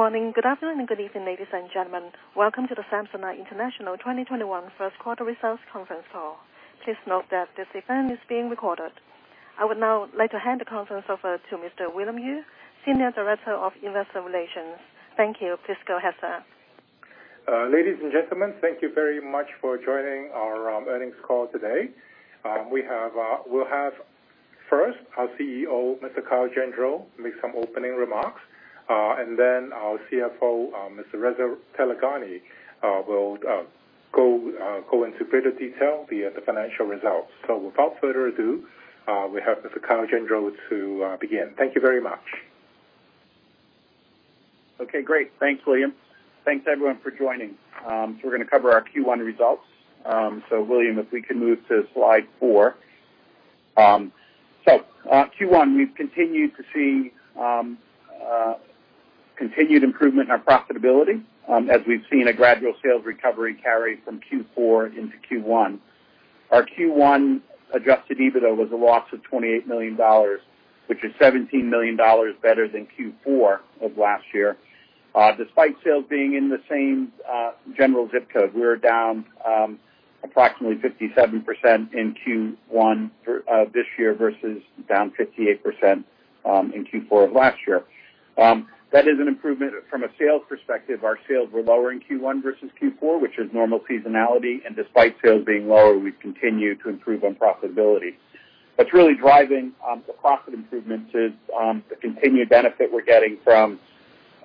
Good morning, good afternoon, and good evening, ladies and gentlemen. Welcome to the Samsonite International 2021 first quarter results conference call. Please note that this event is being recorded. I would now like to hand the conference over to Mr. William Yue, Senior Director of Investor Relations. Thank you, please go ahead, sir. Ladies and gentlemen, thank you very much for joining our earnings call today. We'll have first our CEO, Mr. Kyle Gendreau, make some opening remarks, and then our CFO, Mr. Reza Taleghani, will go into greater detail via the financial results. Without further ado, we have Mr. Kyle Gendreau to begin, thank you very much. Okay, great. Thanks, William. Thanks, everyone, for joining, we're going to cover our Q1 results. William, if we can move to slide four. Q1, we've continued to see continued improvement in our profitability as we've seen a gradual sales recovery carry from Q4 into Q1. Our Q1 adjusted EBITDA was a loss of $28 million, which is $17 million better than Q4 of last year, despite sales being in the same general zip code. We were down approximately 57% in Q1 this year versus down 58% in Q4 of last year. That is an improvement from a sales perspective. Our sales were lower in Q1 versus Q4, which is normal seasonality. Despite sales being lower, we've continued to improve on profitability. What's really driving the profit improvement is the continued benefit we're getting from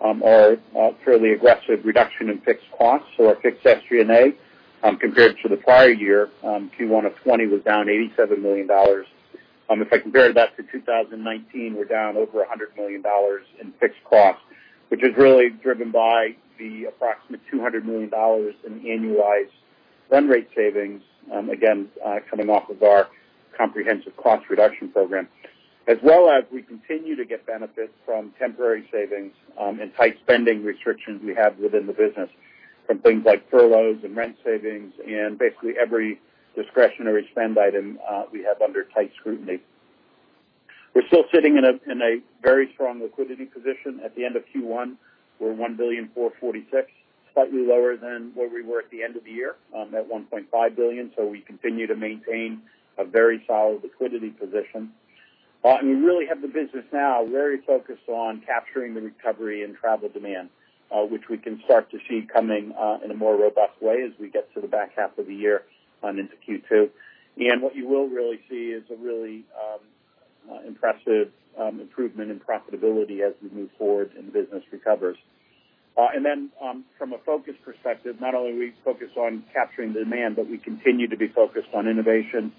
our fairly aggressive reduction in fixed costs. Our fixed SG&A, compared to the prior year, Q1 of 2020 was down $87 million. If I compare that to 2019, we're down over $100 million in fixed costs, which is really driven by the approximate $200 million in annualized run rate savings, again, coming off of our comprehensive cost reduction program, as well as we continue to get benefits from temporary savings and tight spending restrictions we have within the business from things like furloughs and rent savings and basically every discretionary spend item we have under tight scrutiny. We're still sitting in a very strong liquidity position. At the end of Q1, we're $1.446 billion, slightly lower than where we were at the end of the year at $1.5 billion, we continue to maintain a very solid liquidity position. We really have the business now very focused on capturing the recovery in travel demand, which we can start to see coming in a more robust way as we get to the back half of the year into Q2. What you will really see is a really impressive improvement in profitability as we move forward and the business recovers. From a focus perspective, not only are we focused on capturing demand, but we continue to be focused on innovation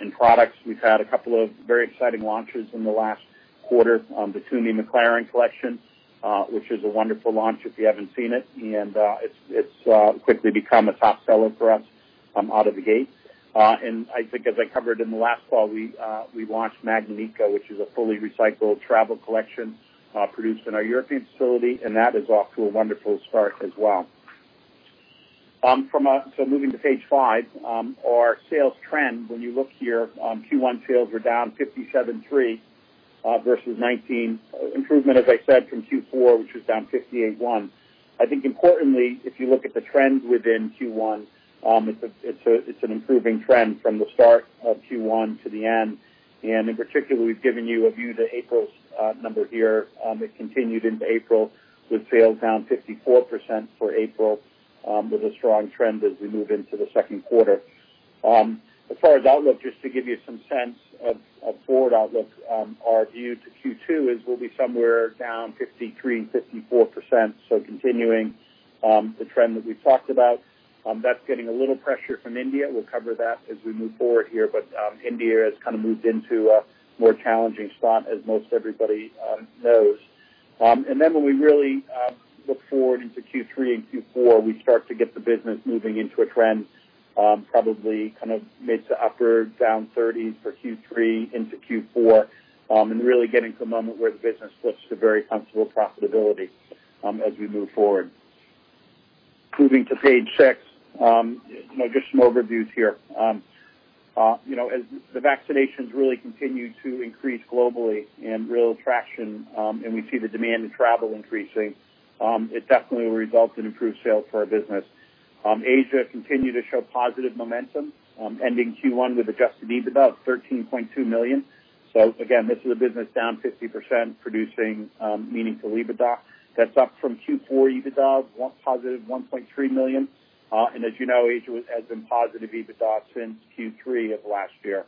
in products. We've had a couple of very exciting launches in the last quarter. The TUMI McLaren collection which is a wonderful launch if you haven't seen it, and it's quickly become a top seller for us out of the gate. I think as I covered in the last call, we launched Magnum Eco, which is a fully recycled travel collection produced in our European facility, and that is off to a wonderful start as well. Moving to page five, our sales trend, when you look here, Q1 sales were down 57.3% versus 2019. Improvement, as I said, from Q4, which was down 58.1%. I think importantly, if you look at the trend within Q1, it's an improving trend from the start of Q1 to the end. In particular, we've given you a view to April's number here. It continued into April with sales down 54% for April, with a strong trend as we move into the second quarter. As far as outlook, just to give you some sense of forward outlook, our view to Q2 is we'll be somewhere down 53% and 54%, continuing the trend that we've talked about. That's getting a little pressure from India. We'll cover that as we move forward here, India has kind of moved into a more challenging spot as most everybody knows. When we really look forward into Q3 and Q4, we start to get the business moving into a trend probably mid to upper down 30% for Q3 into Q4, and really getting to a moment where the business flips to very comfortable profitability as we move forward. Moving to page six, just some overviews here. As the vaccinations really continue to increase globally and real traction, we see the demand in travel increasing, it definitely will result in improved sales for our business. Asia continued to show positive momentum, ending Q1 with adjusted EBITDA of $13.2 million. Again, this is a business down 50% producing meaningful EBITDA. That's up from Q4 EBITDA, positive $1.3 million. As you know, Asia has been positive EBITDA since Q3 of last year.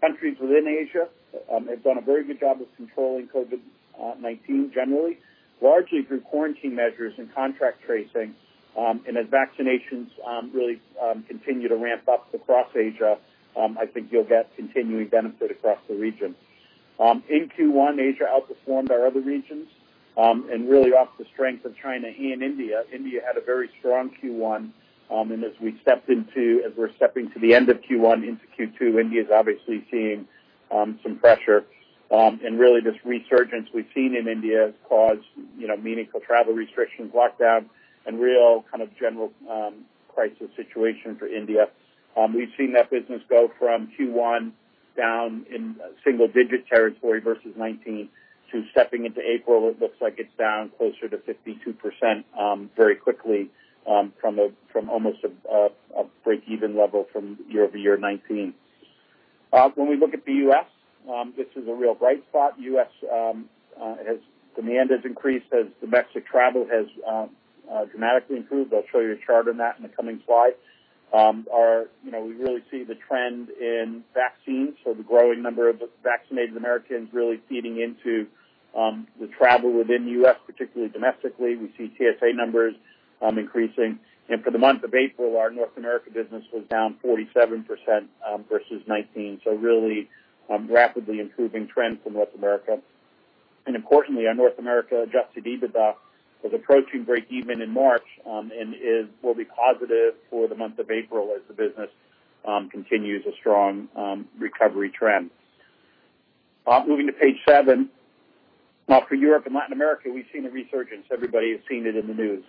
Countries within Asia have done a very good job of controlling COVID-19 generally, largely through quarantine measures and contact tracing. As vaccinations really continue to ramp up across Asia, I think you'll get continuing benefit across the region. In Q1, Asia outperformed our other regions, off the strength of China and India. India had a very strong Q1, as we're stepping to the end of Q1 into Q2, India's obviously seeing some pressure. This resurgence we've seen in India has caused meaningful travel restrictions, lockdowns, and real general crisis situation for India. We've seen that business go from Q1 down in single-digit territory versus 2019 to stepping into April, it looks like it's down closer to 52% very quickly from almost a breakeven level from year-over-year 2019. When we look at the U.S., this is a real bright spot. U.S. demand has increased as domestic travel has dramatically improved. I'll show you a chart on that in the coming slide. We really see the trend in vaccines, so the growing number of vaccinated Americans really feeding into the travel within the U.S., particularly domestically. We see TSA numbers increasing. For the month of April, our North America business was down 47% versus 2019, so really rapidly improving trends in North America. Importantly, our North America adjusted EBITDA was approaching breakeven in March, and will be positive for the month of April as the business continues a strong recovery trend. Moving to page seven. For Europe and Latin America, we've seen a resurgence. Everybody has seen it in the news.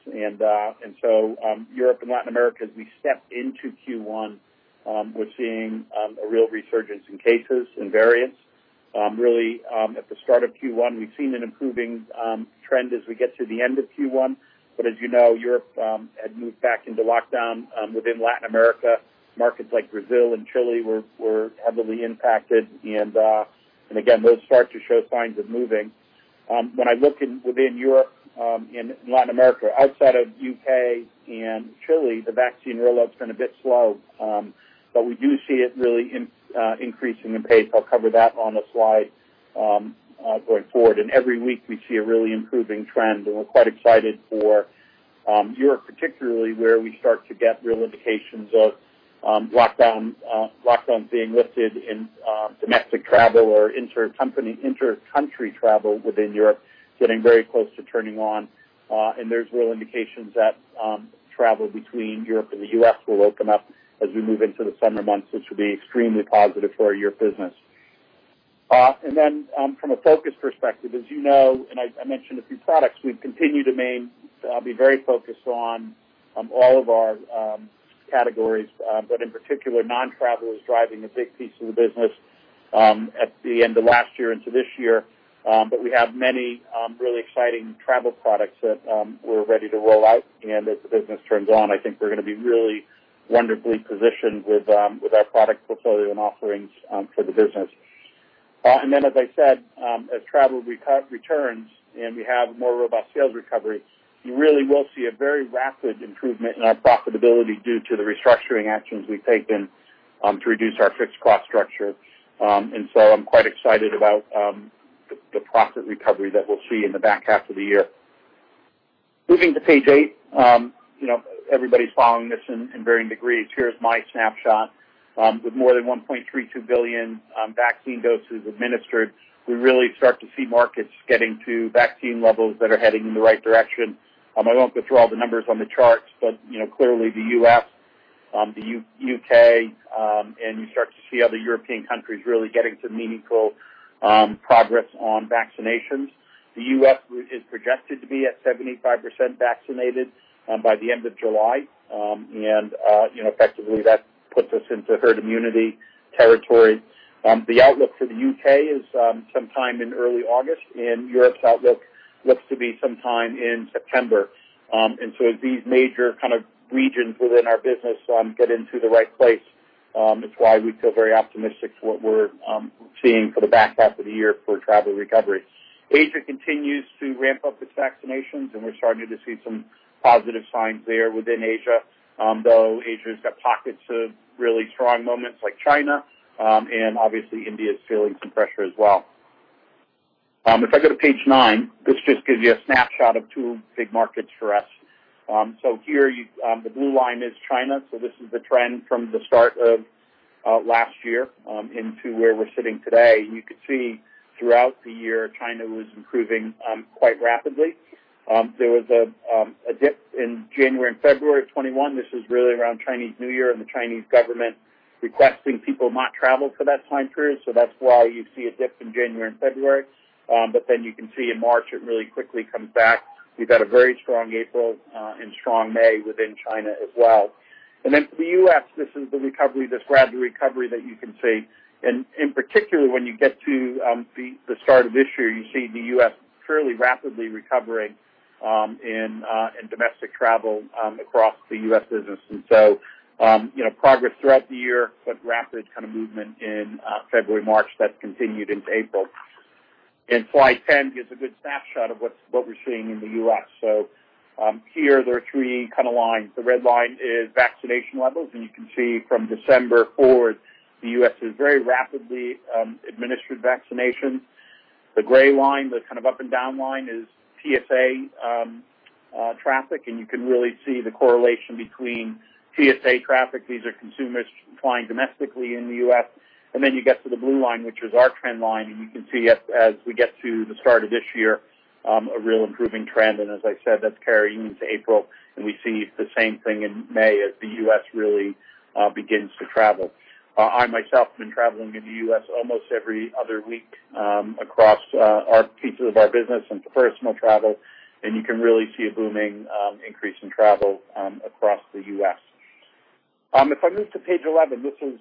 Europe and Latin America, as we step into Q1, we're seeing a real resurgence in cases and variants. Really, at the start of Q1, we've seen an improving trend as we get to the end of Q1. As you know, Europe had moved back into lockdown. Within Latin America, markets like Brazil and Chile were heavily impacted. Again, those start to show signs of moving. When I look within Europe and Latin America, outside of U.K. and Chile, the vaccine rollout's been a bit slow. We do see it really increasing in pace. I'll cover that on a slide going forward. Every week, we see a really improving trend, and we're quite excited for Europe particularly, where we start to get real indications of lockdowns being lifted and domestic travel or inter-country travel within Europe getting very close to turning on. There's real indications that travel between Europe and the U.S. will open up as we move into the summer months, which will be extremely positive for our Europe business. From a focus perspective, as you know, and I mentioned a few products, we continue to be very focused on all of our categories. In particular, non-travel is driving a big piece of the business at the end of last year into this year. We have many really exciting travel products that we're ready to roll out. As the business turns on, I think we're going to be really wonderfully positioned with our product portfolio and offerings for the business. Then, as I said, as travel returns and we have more robust sales recovery, you really will see a very rapid improvement in our profitability due to the restructuring actions we've taken to reduce our fixed cost structure. So I'm quite excited about the profit recovery that we'll see in the back half of the year. Moving to page eight. Everybody's following this in varying degrees. Here's my snapshot. With more than 1.32 billion vaccine doses administered, we really start to see markets getting to vaccine levels that are heading in the right direction. I won't go through all the numbers on the charts. Clearly the U.S., the U.K., and you start to see other European countries really getting some meaningful progress on vaccinations. The U.S. is projected to be at 75% vaccinated by the end of July. Effectively, that puts us into herd immunity territory. The outlook for the U.K. is sometime in early August. Europe's outlook looks to be sometime in September. As these major kind of regions within our business get into the right place, it's why we feel very optimistic for what we're seeing for the back half of the year for travel recovery. Asia continues to ramp up its vaccinations. We're starting to see some positive signs there within Asia, though Asia's got pockets of really strong moments like China. Obviously India is feeling some pressure as well. If I go to page nine, this just gives you a snapshot of two big markets for us. Here, the blue line is China. This is the trend from the start of last year into where we're sitting today. You could see throughout the year, China was improving quite rapidly. There was a dip in January and February of 2021. This is really around Chinese New Year and the Chinese government requesting people not travel for that time period, that's why you see a dip in January and February. You can see in March, it really quickly comes back. We've had a very strong April, and strong May within China as well. For the U.S., this is the recovery, this rapid recovery that you can see. In particular, when you get to the start of this year, you see the U.S. fairly rapidly recovering in domestic travel across the U.S. business. Progress throughout the year, but rapid kind of movement in February, March that's continued into April. Slide 10 gives a good snapshot of what we're seeing in the U.S. Here, there are three kind of lines. The red line is vaccination levels, and you can see from December forward, the U.S. has very rapidly administered vaccinations. The gray line, the kind of up and down line, is TSA traffic, and you can really see the correlation between TSA traffic. These are consumers flying domestically in the U.S. You get to the blue line, which is our trend line, and you can see as we get to the start of this year, a real improving trend. As I said, that's carrying into April, and we see the same thing in May as the U.S. really begins to travel. I myself have been traveling in the U.S. almost every other week across our pieces of our business and for personal travel. You can really see a booming increase in travel across the U.S. If I move to page 11, this is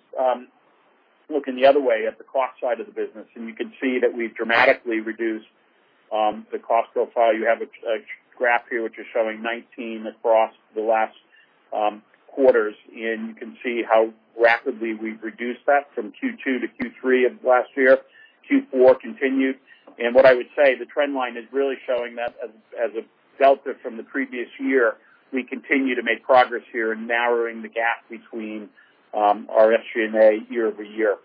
looking the other way at the cost side of the business, and you can see that we've dramatically reduced the cost profile. You have a graph here which is showing 19 across the last quarters, and you can see how rapidly we've reduced that from Q2 to Q3 of last year. Q4 continued. What I would say, the trend line is really showing that as a delta from the previous year, we continue to make progress here in narrowing the gap between our SG&A year-over-year.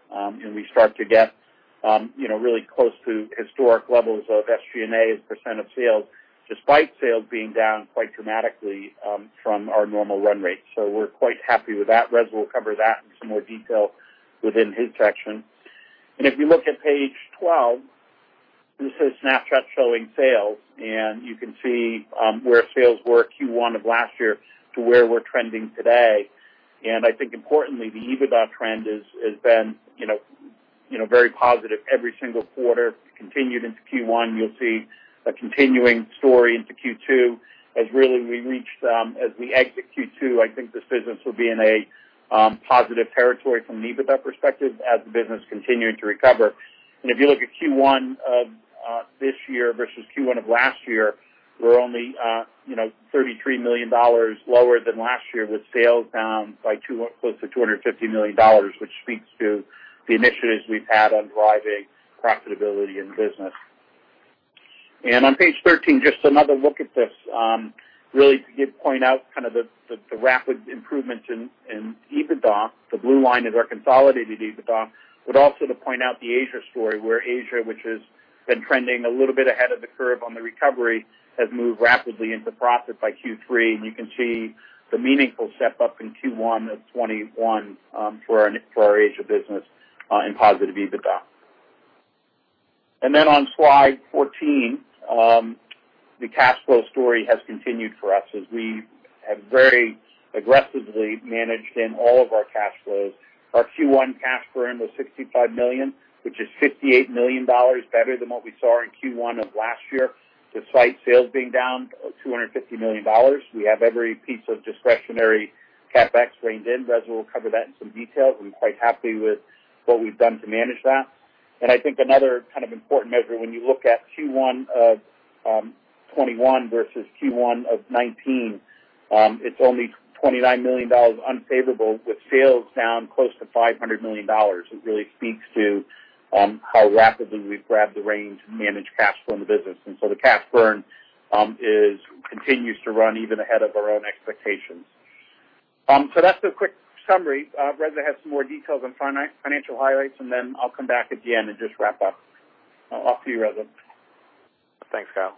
We start to get really close to historic levels of SG&A as percent of sales, despite sales being down quite dramatically from our normal run rate. We're quite happy with that. Reza will cover that in some more detail within his section. If you look at page 12, this is a snapshot showing sales, and you can see where sales were Q1 of last year to where we're trending today. I think importantly, the EBITDA trend has been very positive every single quarter, it continued into Q1. You'll see a continuing story into Q2 as we exit Q2, I think this business will be in a positive territory from an EBITDA perspective as the business continued to recover. If you look at Q1 of this year versus Q1 of last year, we're only $33 million lower than last year with sales down by close to $250 million, which speaks to the initiatives we've had on driving profitability in the business. On page 13, just another look at this. Really to point out the rapid improvements in EBITDA. The blue line is our consolidated EBITDA, but also to point out the Asia story, where Asia, which has been trending a little bit ahead of the curve on the recovery, has moved rapidly into profit by Q3. You can see the meaningful step-up in Q1 of 2021 for our Asia business in positive EBITDA. On slide 14, the cash flow story has continued for us as we have very aggressively managed in all of our cash flows. Our Q1 cash burn was $65 million, which is $58 million better than what we saw in Q1 of last year, despite sales being down $250 million. We have every piece of discretionary CapEx reined in. Reza will cover that in some detail. We're quite happy with what we've done to manage that. I think another kind of important measure, when you look at Q1 of 2021 versus Q1 of 2019, it's only $29 million unfavorable with sales down close to $500 million. It really speaks to how rapidly we've grabbed the reins and managed cash flow in the business. The cash burn continues to run even ahead of our own expectations. That's the quick summary. Reza has some more details on financial highlights, and then I'll come back again and just wrap up. Off to you, Reza. Thanks, Kyle.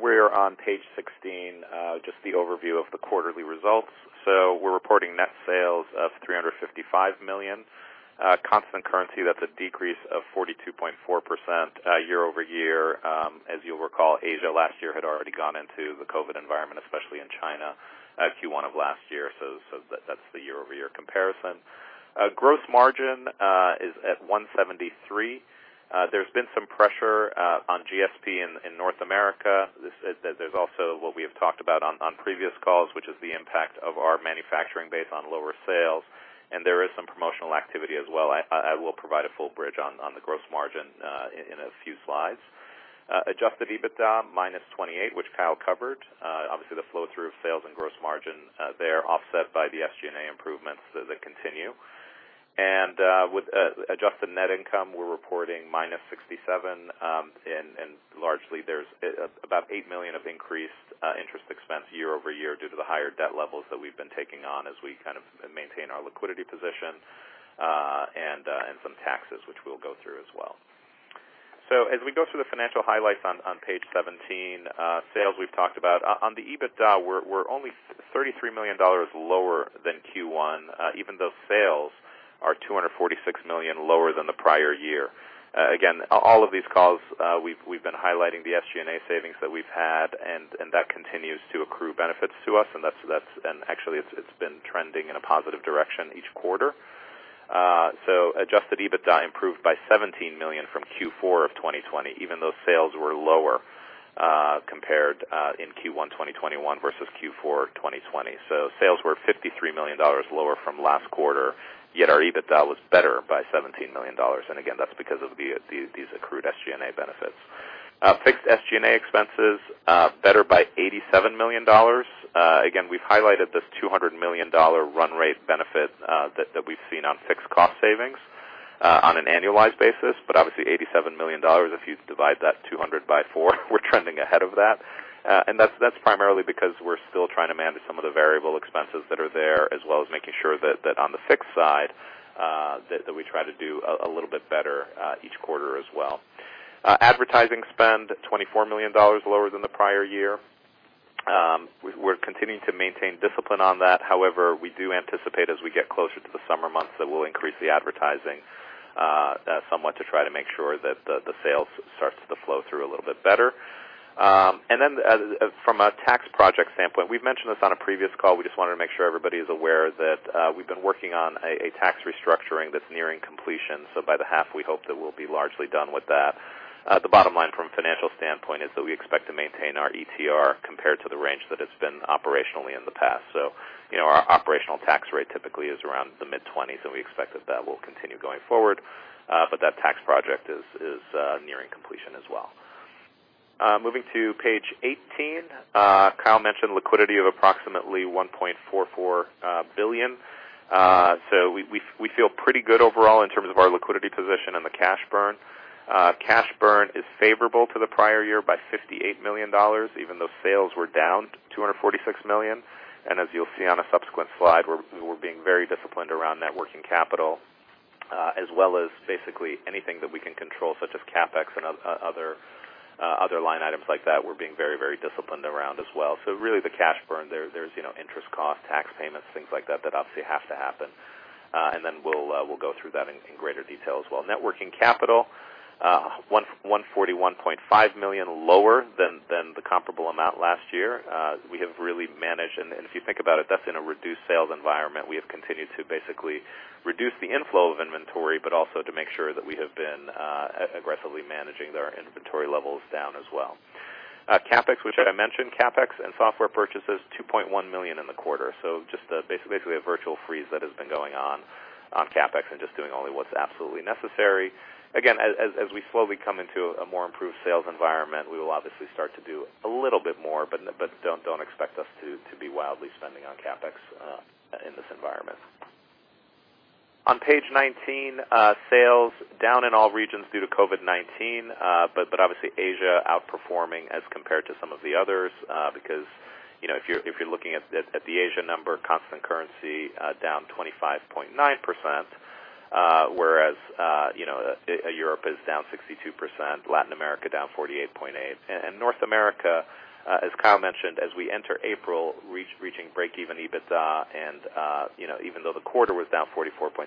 We're on page 16, just the overview of the quarterly results. We're reporting net sales of $355 million. Constant currency, that's a decrease of 42.4% year-over-year. As you'll recall, Asia last year had already gone into the COVID environment, especially in China, at Q1 of last year. That's the year-over-year comparison. Gross margin is at $173. There's been some pressure on GSP in North America. There's also what we have talked about on previous calls, which is the impact of our manufacturing base on lower sales, and there is some promotional activity as well. I will provide a full bridge on the gross margin in a few slides. Adjusted EBITDA, -$28, which Kyle covered. Obviously, the flow-through of sales and gross margin there, offset by the SG&A improvements that continue. With adjusted net income, we're reporting -$67. Largely, there's about $8 million of increased interest expense year-over-year due to the higher debt levels that we've been taking on as we kind of maintain our liquidity position, and some taxes, which we'll go through as well. As we go through the financial highlights on page 17, sales we've talked about. On the EBITDA, we're only $33 million lower than Q1, even though sales are $246 million lower than the prior year. Again, all of these calls, we've been highlighting the SG&A savings that we've had, and that continues to accrue benefits to us. Actually, it's been trending in a positive direction each quarter. Adjusted EBITDA improved by $17 million from Q4 of 2020, even though sales were lower compared in Q1 2021 versus Q4 2020. Sales were $53 million lower from last quarter, yet our EBITDA was better by $17 million. Again, that's because of these accrued SG&A benefits. Fixed SG&A expenses, better by $87 million. We've highlighted this $200 million run rate benefit that we've seen on fixed cost savings on an annualized basis, but obviously $87 million, if you divide that 200 by four, we're trending ahead of that. That's primarily because we're still trying to manage some of the variable expenses that are there, as well as making sure that on the fixed side, that we try to do a little bit better each quarter as well. Advertising spend, $24 million lower than the prior year. We're continuing to maintain discipline on that. However, we do anticipate as we get closer to the summer months that we'll increase the advertising somewhat to try to make sure that the sales starts to flow through a little bit better. From a tax project standpoint, we've mentioned this on a previous call. We just wanted to make sure everybody is aware that we've been working on a tax restructuring that's nearing completion. By the half, we hope that we'll be largely done with that. The bottom line from a financial standpoint is that we expect to maintain our ETR compared to the range that it's been operationally in the past. Our operational tax rate typically is around the mid-20%, and we expect that will continue going forward. That tax project is nearing completion as well. Moving to page 18. Kyle mentioned liquidity of approximately $1.44 billion. We feel pretty good overall in terms of our liquidity position and the cash burn. Cash burn is favorable to the prior year by $58 million, even though sales were down $246 million. As you'll see on a subsequent slide, we're being very disciplined around net working capital, as well as basically anything that we can control, such as CapEx and other line items like that. We're being very disciplined around as well. Really the cash burn there's interest cost, tax payments, things like that obviously have to happen. Then we'll go through that in greater detail as well. Net working capital, $141.5 million lower than the comparable amount last year. We have really managed, and if you think about it, that's in a reduced sales environment. We have continued to basically reduce the inflow of inventory, but also to make sure that we have been aggressively managing their inventory levels down as well. CapEx, which I mentioned. CapEx and software purchases, $2.1 million in the quarter. Just basically a virtual freeze that has been going on CapEx and just doing only what's absolutely necessary. Again, as we slowly come into a more improved sales environment, we will obviously start to do a little bit more, but don't expect us to be wildly spending on CapEx in this environment. On page 19, sales down in all regions due to COVID-19. Obviously, Asia outperforming as compared to some of the others, because if you're looking at the Asia number, constant currency down 25.9%, whereas Europe is down 62%, Latin America down 48.8%. North America, as Kyle mentioned, as we enter April, reaching break-even EBITDA, and even though the quarter was down 44.6%,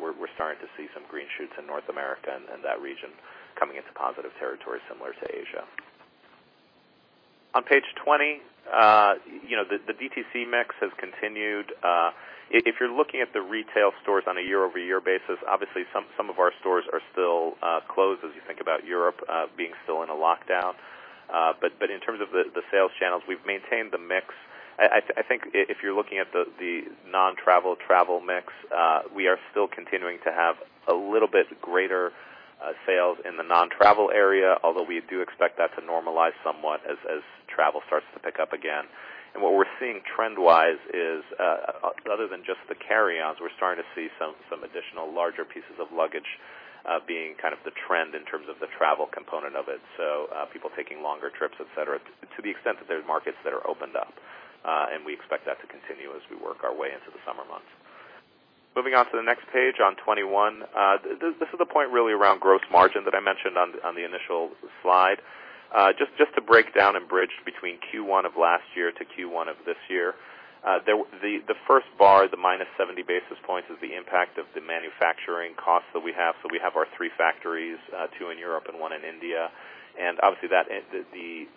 we're starting to see some green shoots in North America and that region coming into positive territory similar to Asia. On page 20, the DTC mix has continued. If you're looking at the retail stores on a year-over-year basis, obviously some of our stores are still closed as you think about Europe being still in a lockdown. In terms of the sales channels, we've maintained the mix. I think if you're looking at the non-travel, travel mix, we are still continuing to have a little bit greater sales in the non-travel area, although we do expect that to normalize somewhat as travel starts to pick up again. What we're seeing trend-wise is other than just the carry-ons, we're starting to see some additional larger pieces of luggage being kind of the trend in terms of the travel component of it. People taking longer trips, et cetera, to the extent that there's markets that are opened up. We expect that to continue as we work our way into the summer months. Moving on to the next page, on 21. This is the point really around gross margin that I mentioned on the initial slide. Just to break down and bridge between Q1 of last year to Q1 of this year. The first bar, the -70 basis points, is the impact of the manufacturing costs that we have. We have our three factories, two in Europe and one in India. Obviously, the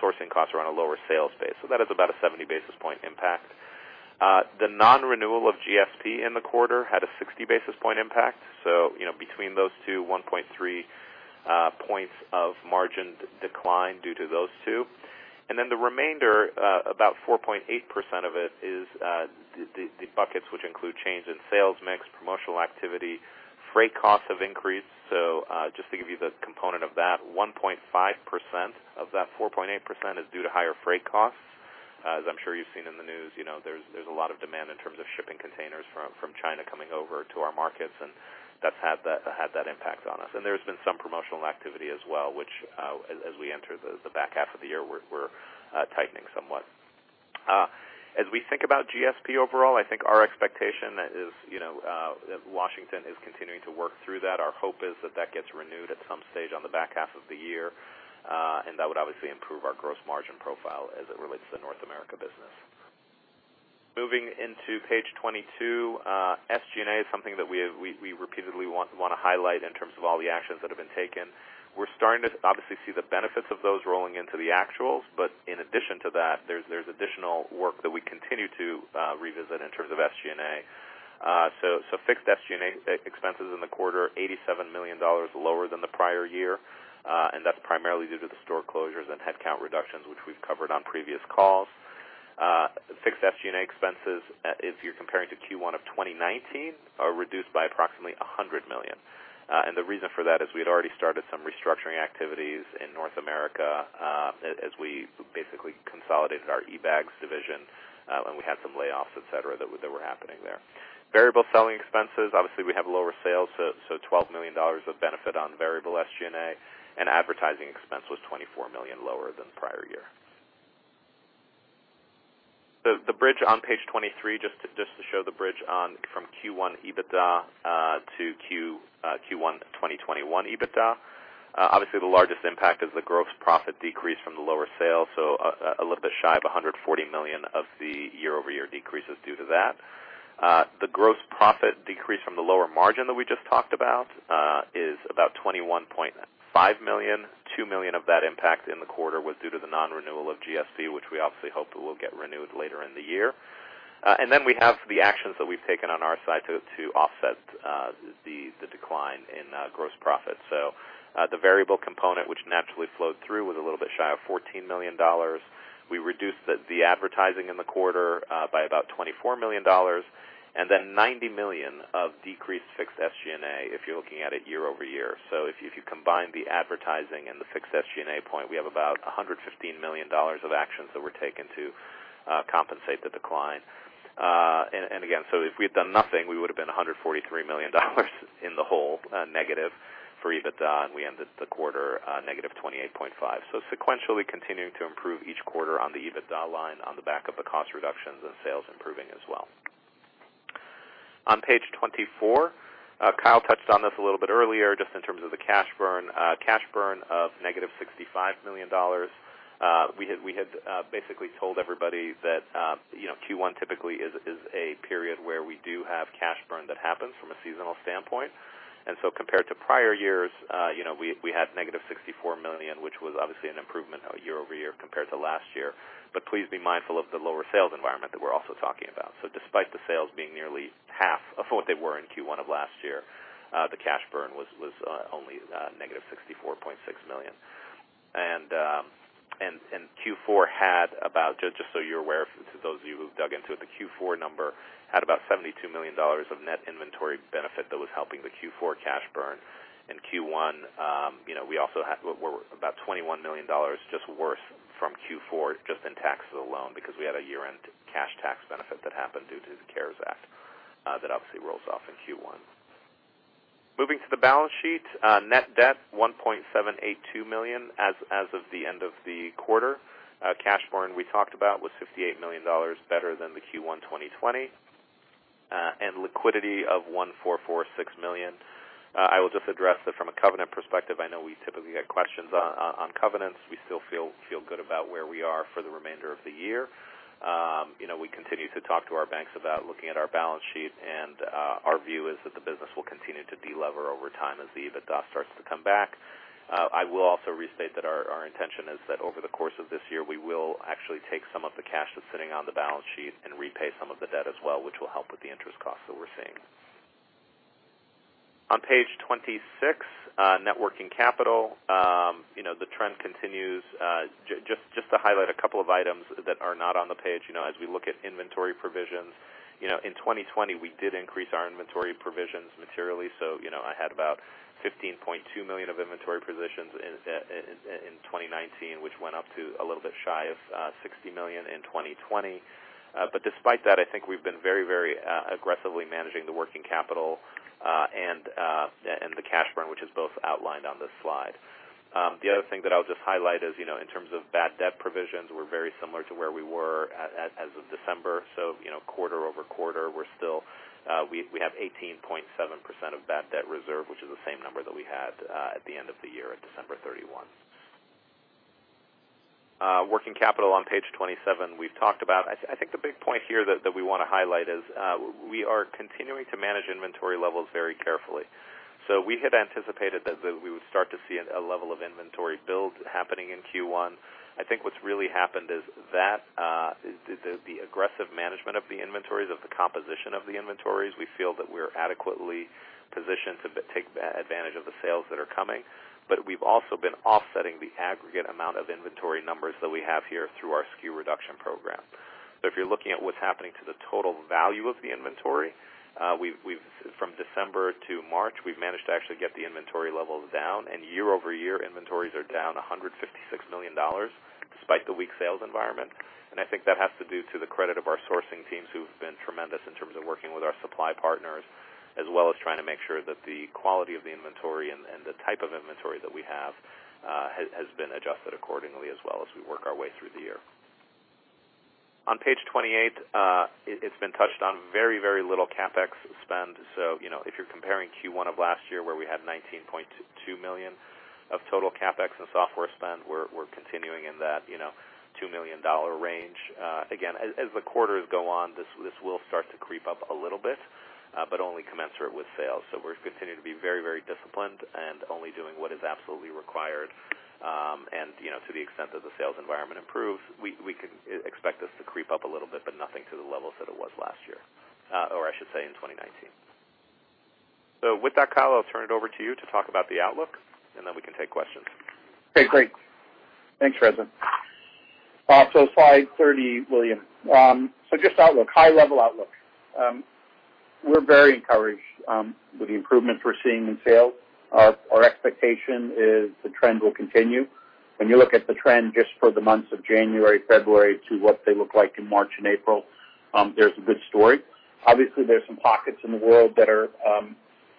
sourcing costs are on a lower sales base. That is about a 70 basis point impact. The non-renewal of GSP in the quarter had a 60 basis point impact. Between those two, 1.3 points of margin decline due to those two. The remainder, about 4.8% of it, is the buckets which include change in sales mix, promotional activity. Freight costs have increased. Just to give you the component of that, 1.5% of that 4.8% is due to higher freight costs. As I'm sure you've seen in the news, there's a lot of demand in terms of shipping containers from China coming over to our markets, and that's had that impact on us. There's been some promotional activity as well, which as we enter the back half of the year, we're tightening somewhat. As we think about GSP overall, I think our expectation is that Washington is continuing to work through that. Our hope is that gets renewed at some stage on the back half of the year. That would obviously improve our gross margin profile as it relates to the North America business. Moving into page 22. SG&A is something that we repeatedly want to highlight in terms of all the actions that have been taken. We're starting to obviously see the benefits of those rolling into the actuals. In addition to that, there's additional work that we continue to revisit in terms of SG&A. Fixed SG&A expenses in the quarter, $87 million lower than the prior year. That's primarily due to the store closures and headcount reductions, which we've covered on previous calls. Fixed SG&A expenses, if you're comparing to Q1 of 2019, are reduced by approximately $100 million. The reason for that is we had already started some restructuring activities in North America as we basically consolidated our eBags division, and we had some layoffs, et cetera, that were happening there. Variable selling expenses, obviously, we have lower sales, so $12 million of benefit on variable SG&A, and advertising expense was $24 million lower than prior year. The bridge on page 23, just to show the bridge from Q1 EBITDA to Q1 2021 EBITDA. Obviously, the largest impact is the gross profit decrease from the lower sales. A little bit shy of $140 million of the year-over-year decrease is due to that. The gross profit decrease from the lower margin that we just talked about is about $21.5 million. $2 million of that impact in the quarter was due to the non-renewal of GSP, which we obviously hope will get renewed later in the year. We have the actions that we've taken on our side to offset the decline in gross profit. The variable component, which naturally flowed through was a little bit shy of $14 million. We reduced the advertising in the quarter by about $24 million, $90 million of decreased fixed SG&A, if you're looking at it year-over-year. If you combine the advertising and the fixed SG&A point, we have about $115 million of actions that were taken to compensate the decline. If we had done nothing, we would've been $143 million in the hole negative for EBITDA, and we ended the quarter -$28.5. Sequentially continuing to improve each quarter on the EBITDA line on the back of the cost reductions and sales improving as well. On page 24, Kyle touched on this a little bit earlier, just in terms of the cash burn. Cash burn of -$65 million. We had basically told everybody that Q1 typically is a period where we do have cash burn that happens from a seasonal standpoint. Compared to prior years, we had -$64 million, which was obviously an improvement year-over-year compared to last year. Please be mindful of the lower sales environment that we're also talking about. Despite the sales being nearly half of what they were in Q1 of last year, the cash burn was only -$64.6 million. Q4 had about, just so you're aware, for those of you who've dug into it, the Q4 number had about $72 million of net inventory benefit that was helping the Q4 cash burn. In Q1, we're about $21 million just worse from Q4 just in taxes alone, because we had a year-end cash tax benefit that happened due to the CARES Act, that obviously rolls off in Q1. Moving to the balance sheet. Net debt, $1.782 billion as of the end of the quarter. Cash burn we talked about was $58 million better than the Q1 2020, and liquidity of $1.446 billion. I will just address that from a covenant perspective, I know we typically get questions on covenants. We still feel good about where we are for the remainder of the year. We continue to talk to our banks about looking at our balance sheet, and our view is that the business will continue to de-lever over time as the EBITDA starts to come back. I will also restate that our intention is that over the course of this year, we will actually take some of the cash that's sitting on the balance sheet and repay some of the debt as well, which will help with the interest costs that we're seeing. On page 26, net working capital. The trend continues. Just to highlight a couple of items that are not on the page. As we look at inventory provisions, in 2020 we did increase our inventory provisions materially. I had about $15.2 million of inventory provisions in 2019, which went up to a little bit shy of $60 million in 2020. Despite that, I think we've been very aggressively managing the working capital and the cash burn, which is both outlined on this slide. The other thing that I'll just highlight is in terms of bad debt provisions, we're very similar to where we were as of December. Quarter-over-quarter, we have 18.7% of bad debt reserve, which is the same number that we had at the end of the year at December 31. Working capital on page 27, we've talked about. I think the big point here that we want to highlight is we are continuing to manage inventory levels very carefully. We had anticipated that we would start to see a level of inventory build happening in Q1. I think what's really happened is that the aggressive management of the inventories, of the composition of the inventories, we feel that we're adequately positioned to take advantage of the sales that are coming. We've also been offsetting the aggregate amount of inventory numbers that we have here through our SKU reduction program. If you're looking at what's happening to the total value of the inventory, from December to March, we've managed to actually get the inventory levels down, and year-over-year inventories are down $156 million despite the weak sales environment. I think that has to do, to the credit of our sourcing teams, who've been tremendous in terms of working with our supply partners, as well as trying to make sure that the quality of the inventory and the type of inventory that we have has been adjusted accordingly as well as we work our way through the year. On page 28, it's been touched on very little CapEx spend. If you're comparing Q1 of last year where we had $19.2 million of total CapEx and software spend, we're continuing in that $2 million range. Again, as the quarters go on this will start to creep up a little bit, but only commensurate with sales. We're continuing to be very disciplined and only doing what is absolutely required. To the extent that the sales environment improves, we can expect this to creep up a little bit, nothing to the levels that it was last year, or I should say in 2019. With that, Kyle, I'll turn it over to you to talk about the outlook, and then we can take questions. Okay, great. Thanks, Reza. Slide 30, William. Just outlook, high level outlook. We're very encouraged with the improvements we're seeing in sales. Our expectation is the trend will continue. When you look at the trend just for the months of January, February to what they look like in March and April, there's a good story. Obviously, there's some pockets in the world that are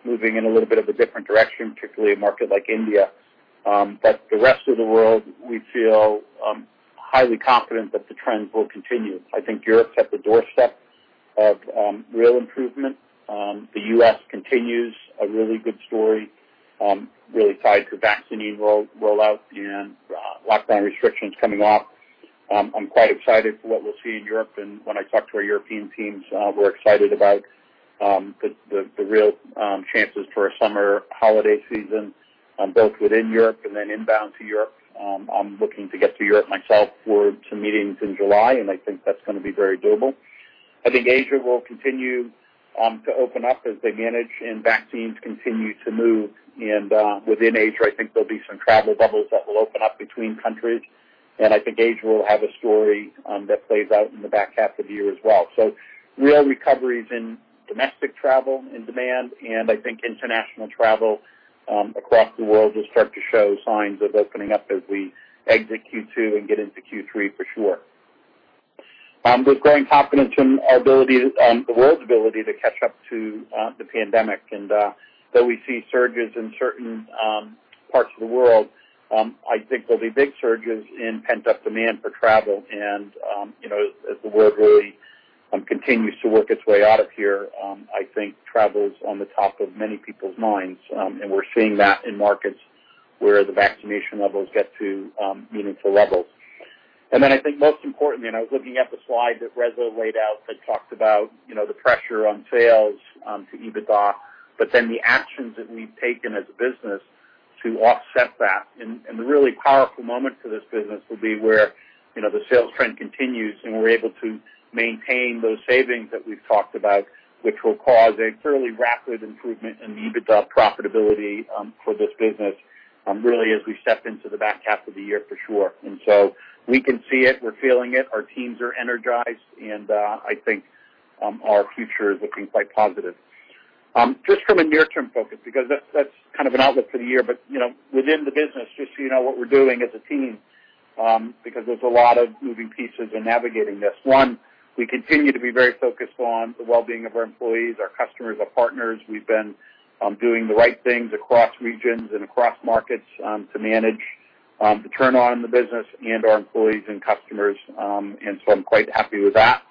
moving in a little bit of a different direction, particularly a market like India. The rest of the world, we feel highly confident that the trends will continue. I think Europe's at the doorstep of real improvement. The U.S. continues a really good story, really tied to vaccine rollout and lockdown restrictions coming off. I'm quite excited for what we'll see in Europe, and when I talk to our European teams, we're excited about the real chances for a summer holiday season, both within Europe and then inbound to Europe. I'm looking to get to Europe myself for some meetings in July, and I think that's going to be very doable. I think Asia will continue to open up as they manage and vaccines continue to move. Within Asia, I think there'll be some travel bubbles that will open up between countries. I think Asia will have a story that plays out in the back half of the year as well. Real recoveries in domestic travel in demand, and I think international travel across the world will start to show signs of opening up as we exit Q2 and get into Q3 for sure. We're growing confident in the world's ability to catch up to the pandemic. Though we see surges in certain parts of the world, I think there'll be big surges in pent-up demand for travel. As the world really continues to work its way out of here, I think travel is on the top of many people's minds, and we're seeing that in markets where the vaccination levels get to meaningful levels. I think most importantly, I was looking at the slide that Reza laid out that talked about the pressure on sales to EBITDA, the actions that we've taken as a business to offset that. The really powerful moment for this business will be where the sales trend continues, and we're able to maintain those savings that we've talked about, which will cause a fairly rapid improvement in the EBITDA profitability for this business, really as we step into the back half of the year for sure. We can see it. We're feeling it. Our teams are energized, and I think our future is looking quite positive. Just from a near-term focus, because that's kind of an outlook for the year, but within the business, just so you know what we're doing as a team, because there's a lot of moving pieces in navigating this. One, we continue to be very focused on the well-being of our employees, our customers, our partners. We've been doing the right things across regions and across markets to manage the turn on in the business and our employees and customers. I'm quite happy with that.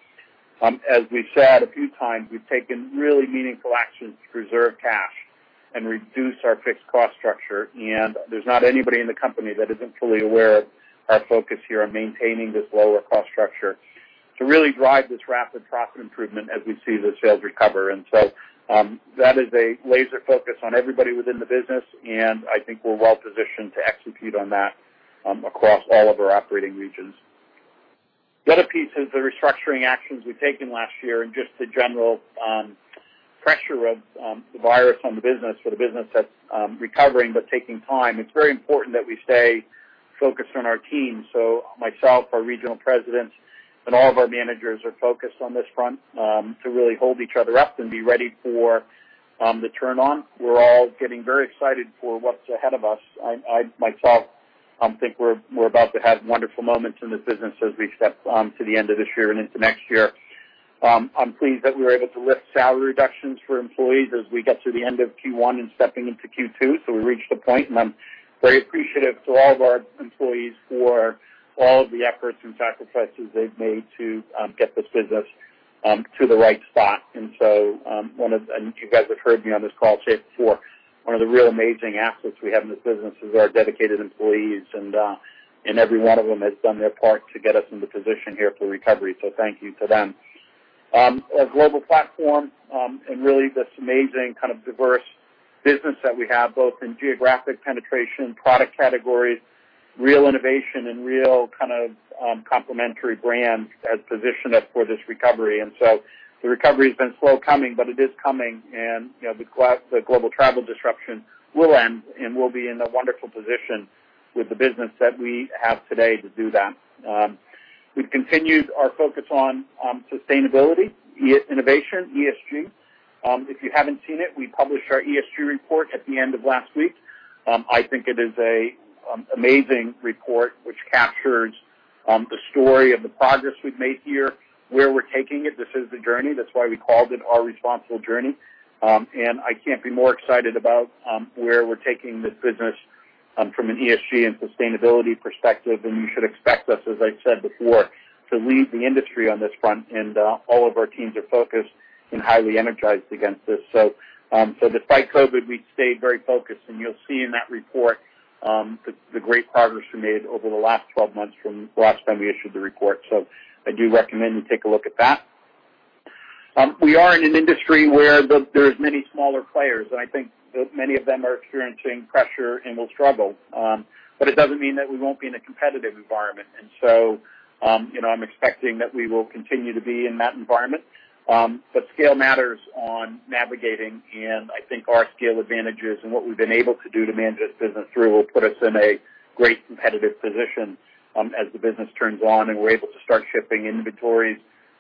As we've said a few times, we've taken really meaningful actions to preserve cash and reduce our fixed cost structure. There's not anybody in the company that isn't fully aware of our focus here on maintaining this lower cost structure to really drive this rapid profit improvement as we see the sales recover. That is a laser focus on everybody within the business, and I think we're well-positioned to execute on that across all of our operating regions. The other piece is the restructuring actions we've taken last year and just the general pressure of the virus on the business for the business that's recovering but taking time. It's very important that we stay focused on our team. Myself, our regional presidents, and all of our managers are focused on this front to really hold each other up and be ready for the turn-on. We're all getting very excited for what's ahead of us. I, myself, think we're about to have wonderful moments in this business as we step to the end of this year and into next year. I'm pleased that we were able to lift salary reductions for employees as we get to the end of Q1 and stepping into Q2. We reached a point, and I'm very appreciative to all of our employees for all of the efforts and sacrifices they've made to get this business to the right spot. You guys have heard me on this call say it before, one of the real amazing assets we have in this business is our dedicated employees, and every one of them has done their part to get us in the position here for recovery. Thank you to them. Our global platform, really this amazing kind of diverse business that we have, both in geographic penetration, product categories, real innovation, and real kind of complementary brands has positioned us for this recovery. The recovery has been slow coming, but it is coming and the global travel disruption will end, and we'll be in a wonderful position with the business that we have today to do that. We've continued our focus on sustainability, innovation, ESG. If you haven't seen it, we published our ESG report at the end of last week. I think it is an amazing report which captures the story of the progress we've made here, where we're taking it. This is the journey, that's why we called it Our Responsible Journey. I can't be more excited about where we're taking this business from an ESG and sustainability perspective. You should expect us, as I said before, to lead the industry on this front. All of our teams are focused and highly energized against this. Despite COVID, we've stayed very focused. You'll see in that report the great progress we made over the last 12 months from the last time we issued the report. I do recommend you take a look at that. We are in an industry where there's many smaller players. I think that many of them are experiencing pressure and will struggle. It doesn't mean that we won't be in a competitive environment. I'm expecting that we will continue to be in that environment. Scale matters on navigating, and I think our scale advantages and what we've been able to do to manage this business through will put us in a great competitive position as the business turns on and we're able to start shipping inventories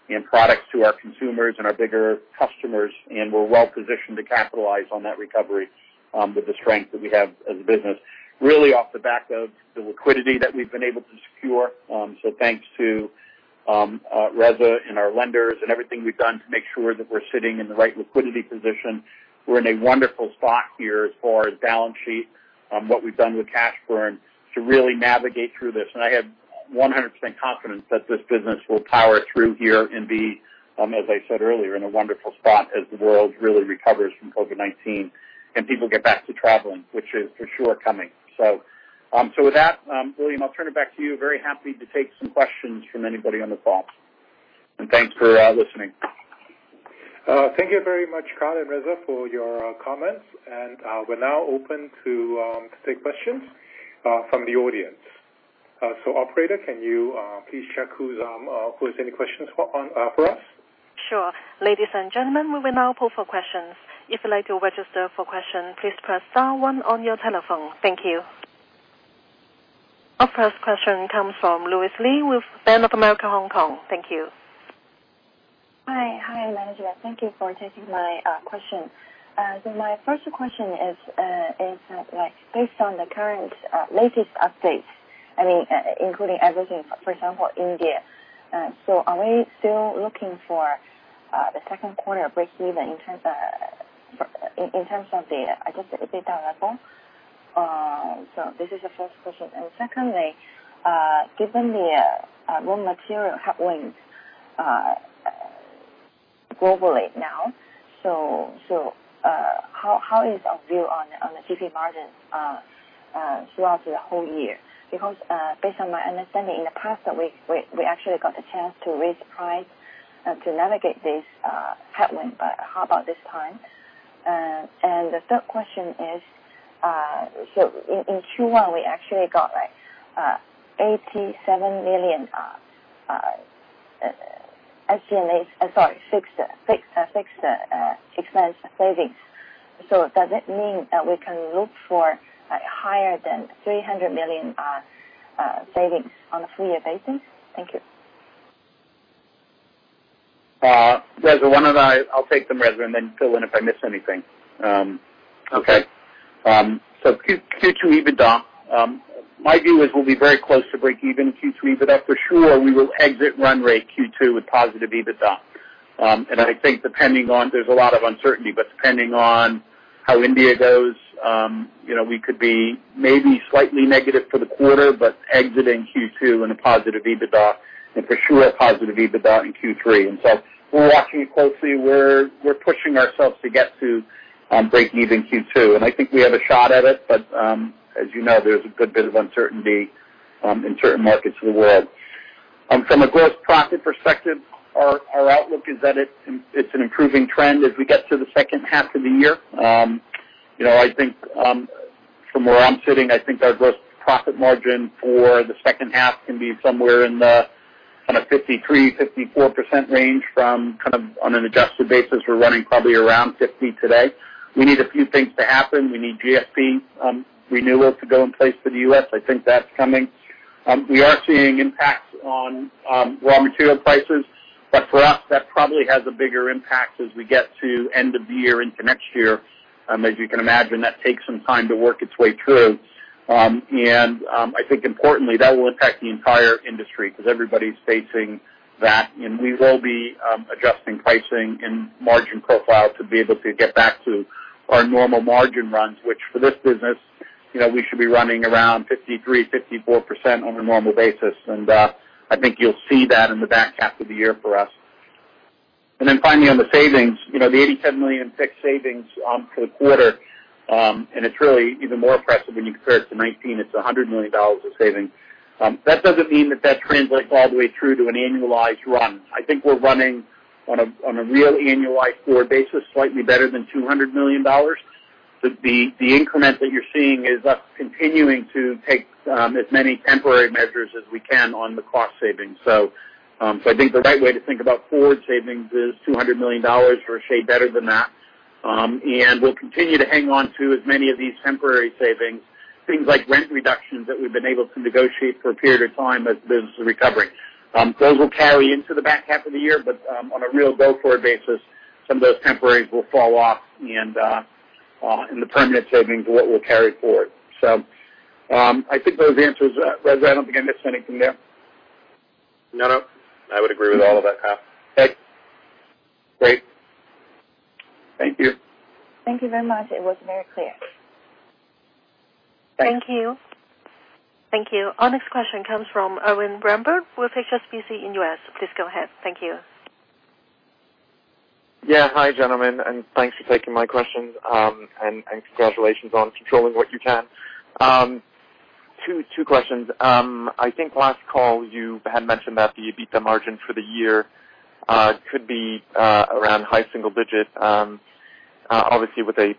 and products to our consumers and our bigger customers. We're well-positioned to capitalize on that recovery with the strength that we have as a business, really off the back of the liquidity that we've been able to secure. Thanks to Reza and our lenders and everything we've done to make sure that we're sitting in the right liquidity position. We're in a wonderful spot here as far as balance sheet, what we've done with cash burn to really navigate through this. I have 100% confidence that this business will power through here and be, as I said earlier, in a wonderful spot as the world really recovers from COVID-19 and people get back to traveling, which is for sure coming. So, with that, William, I'll turn it back to you. Very happy to take some questions from anybody on the call, thanks for listening. Thank you very much, Kyle and Reza, for your comments. We're now open to take questions from the audience. Operator, can you please check who has any questions for us? Sure, ladies and gentlemen, we will now pull for questions. If you'd like to register for question, please press star one on your telephone, thank you. Our first question comes from Louis Lee with Bank of America Hong Kong, thank you. Hi, thank you for taking my question. My first question is based on the current latest updates, including everything, for example, India. Are we still looking for the second quarter break-even in terms of the EBITDA level? This is the first question. Secondly, given the raw material headwinds globally now, how is our view on the GP margin throughout the whole year? Based on my understanding, in the past week, we actually got a chance to raise price to navigate this headwind. How about this time? The third question is, in Q1, we actually got $87 million fixed expense savings. Does it mean that we can look for higher than $300 million savings on a full-year basis? Thank you. Reza, why don't I- I'll take them, Reza, and then fill in if I miss anything. Okay. Q2 EBITDA, my view is we'll be very close to break-even in Q3, but that for sure we will exit run rate Q2 with positive EBITDA. I think there's a lot of uncertainty, but depending on how India goes, we could be maybe slightly negative for the quarter, but exiting Q2 in a positive EBITDA, and for sure a positive EBITDA in Q3. We're watching it closely. We're pushing ourselves to get to break-even Q2. I think we have a shot at it, but as you know, there's a good bit of uncertainty in certain markets of the world. From a gross profit perspective, our outlook is that it's an improving trend as we get to the second half of the year. From where I'm sitting, I think our gross profit margin for the second half can be somewhere in the kind of 53%-54% range from kind of on an adjusted basis. We're running probably around 50% today. We need a few things to happen. We need GSP renewal to go in place for the U.S. I think that's coming. We are seeing impacts on raw material prices. For us, that probably has a bigger impact as we get to end of the year into next year. As you can imagine, that takes some time to work its way through. I think importantly, that will impact the entire industry because everybody's facing that, and we will be adjusting pricing and margin profile to be able to get back to our normal margin runs, which for this business, we should be running around 53%-54% on a normal basis. I think you'll see that in the back half of the year for us. Finally on the savings, the $87 million fixed savings for the quarter, and it's really even more impressive when you compare it to 2019. It's $100 million of savings. That doesn't mean that translates all the way through to an annualized run. I think we're running on a real annualized forward basis, slightly better than $200 million. The increment that you're seeing is us continuing to take as many temporary measures as we can on the cost savings. I think the right way to think about forward savings is $200 million or a shade better than that. We'll continue to hang on to as many of these temporary savings, things like rent reductions that we've been able to negotiate for a period of time as the business is recovering. Those will carry into the back half of the year, but on a real go-forward basis, some of those temporaries will fall off and the permanent savings are what we'll carry forward. I think those answers, Reza, I don't think I missed anything there. No, I would agree with all of that, Kyle. Okay, great. Thank you. Thank you very much, it was very clear, thank you. Thank you, our next question comes from Erwin Ramberg with HSBC in U.S. Please go ahead, thank you. Hi, gentlemen, thanks for taking my questions. Congratulations on controlling what you can. Two questions. I think last call, you had mentioned that the EBITDA margin for the year could be around high single digits, obviously with a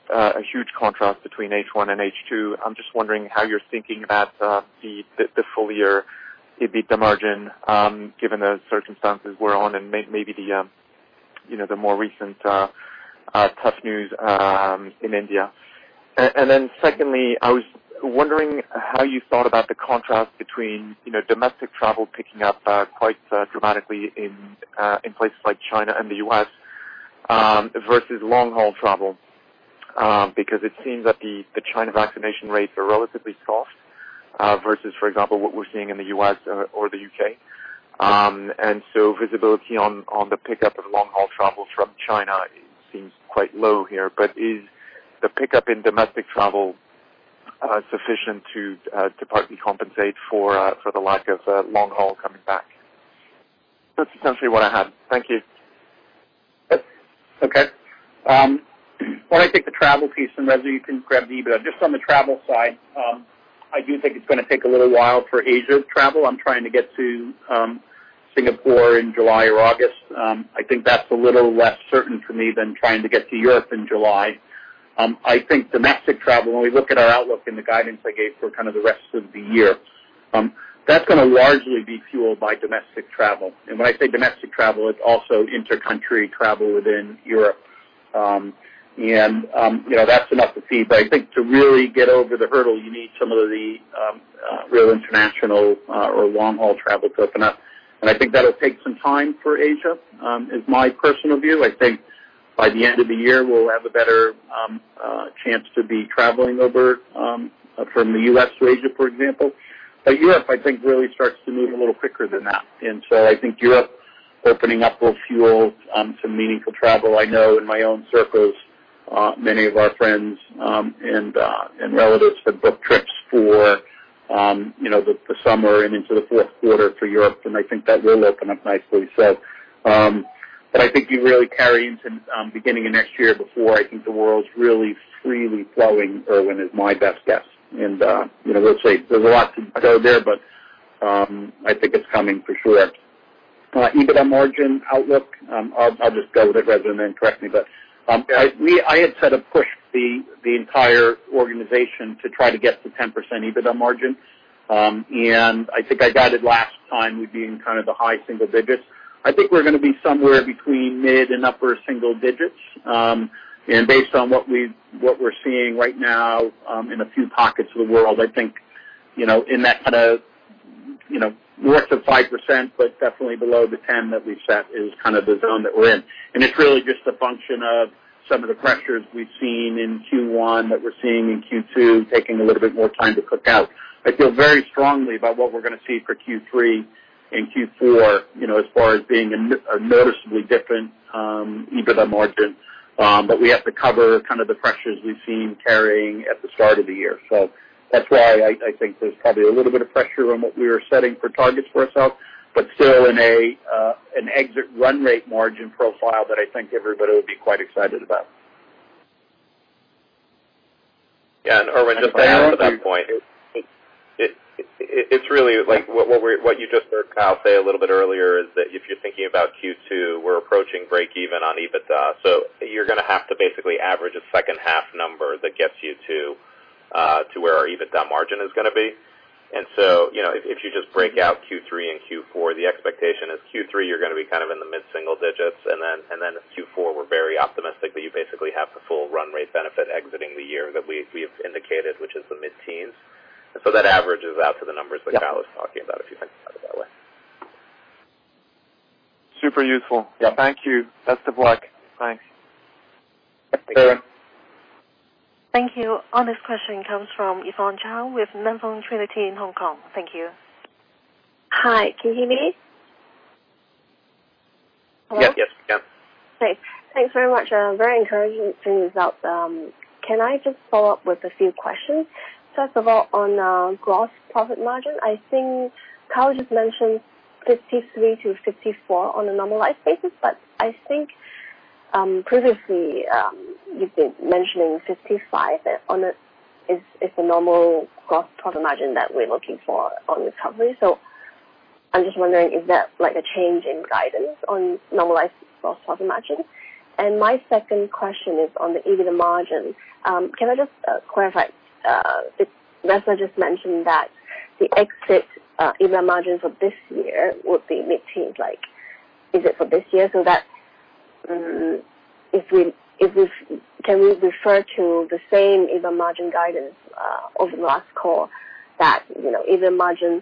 huge contrast between H1 and H2. I'm just wondering how you're thinking about the full year EBITDA margin given the circumstances we're on and maybe the more recent tough news in India. Secondly, I was wondering how you thought about the contrast between domestic travel picking up quite dramatically in places like China and the U.S. versus long-haul travel. It seems that the China vaccination rates are relatively soft versus, for example, what we're seeing in the U.S. or the U.K. Visibility on the pickup of long-haul travels from China seems quite low here. Is the pickup in domestic travel sufficient to partly compensate for the lack of long-haul coming back? That's essentially what I had, thank you. Okay, well, I take the travel piece, and Reza, you can grab the EBITDA. Just on the travel side, I do think it's going to take a little while for Asia travel. I'm trying to get to Singapore in July or August. I think that's a little less certain for me than trying to get to Europe in July. I think domestic travel, when we look at our outlook and the guidance I gave for kind of the rest of the year, that's going to largely be fueled by domestic travel. When I say domestic travel, it's also inter-country travel within Europe. That's enough to see. I think to really get over the hurdle, you need some of the real international or long-haul travel to open up. I think that'll take some time for Asia, is my personal view. I think by the end of the year, we'll have a better chance to be traveling over from the U.S. to Asia, for example. Europe, I think, really starts to move a little quicker than that. I think Europe opening up will fuel some meaningful travel. I know in my own circles, many of our friends and relatives have booked trips for the summer and into the fourth quarter for Europe, and I think that will open up nicely. I think you really carry into beginning of next year before I think the world's really freely flowing, Erwin, is my best guess, we'll see. There's a lot to go there, but I think it's coming for sure. EBITDA margin outlook, I'll just go with it, Reza, and then correct me. I had said I pushed the entire organization to try to get to 10% EBITDA margin. I think I guided last time we'd be in kind of the high single digits. I think we're going to be somewhere between mid and upper single digits. Based on what we're seeing right now in a few pockets of the world, I think in that kind of north of 5%, but definitely below the 10 that we've set is kind of the zone that we're in. It's really just a function of some of the pressures we've seen in Q1 that we're seeing in Q2 taking a little bit more time to cook out. I feel very strongly about what we're going to see for Q3 and Q4 as far as being a noticeably different EBITDA margin. We have to cover kind of the pressures we've seen carrying at the start of the year. That's why I think there's probably a little bit of pressure on what we are setting for targets for ourselves, but still in an exit run rate margin profile that I think everybody would be quite excited about. Yeah. Erwin, just to add to that point, it's really like what you just heard Kyle say a little bit earlier, is that if you're thinking about Q2, we're approaching break even on EBITDA. You're going to have to basically average a second half number that gets you to where our EBITDA margin is going to be. If you just break out Q3 and Q4, the expectation is Q3, you're going to be kind of in the mid-single digits. Q4, we're very optimistic that you basically have the full run rate benefit exiting the year that we've indicated, which is the mid-teens. That averages out to the numbers that Kyle was talking about, if you think about it that way. Super useful, thank you, best of luck. Thanks. Thanks, Erwin. Thank you, our next question comes from Yvonne Chao with Nan Fung Trinity in Hong Kong, thank you. Hi, can you hear me? Hello? Yes, we can. Great, thanks very much. Very encouraging things out. Can I just follow up with a few questions? First of all, on gross profit margin, I think Kyle just mentioned 53%-54% on a normalized basis, but I think previously, you've been mentioning 55% is the normal gross profit margin that we're looking for on recovery. I'm just wondering, is that like a change in guidance on normalized gross profit margin? My second question is on the EBITDA margin. Can I just clarify, Reza just mentioned that the exit EBITDA margin for this year would be mid-teens. Is it for this year? Can we refer to the same EBITDA margin guidance of the last call that EBITDA margin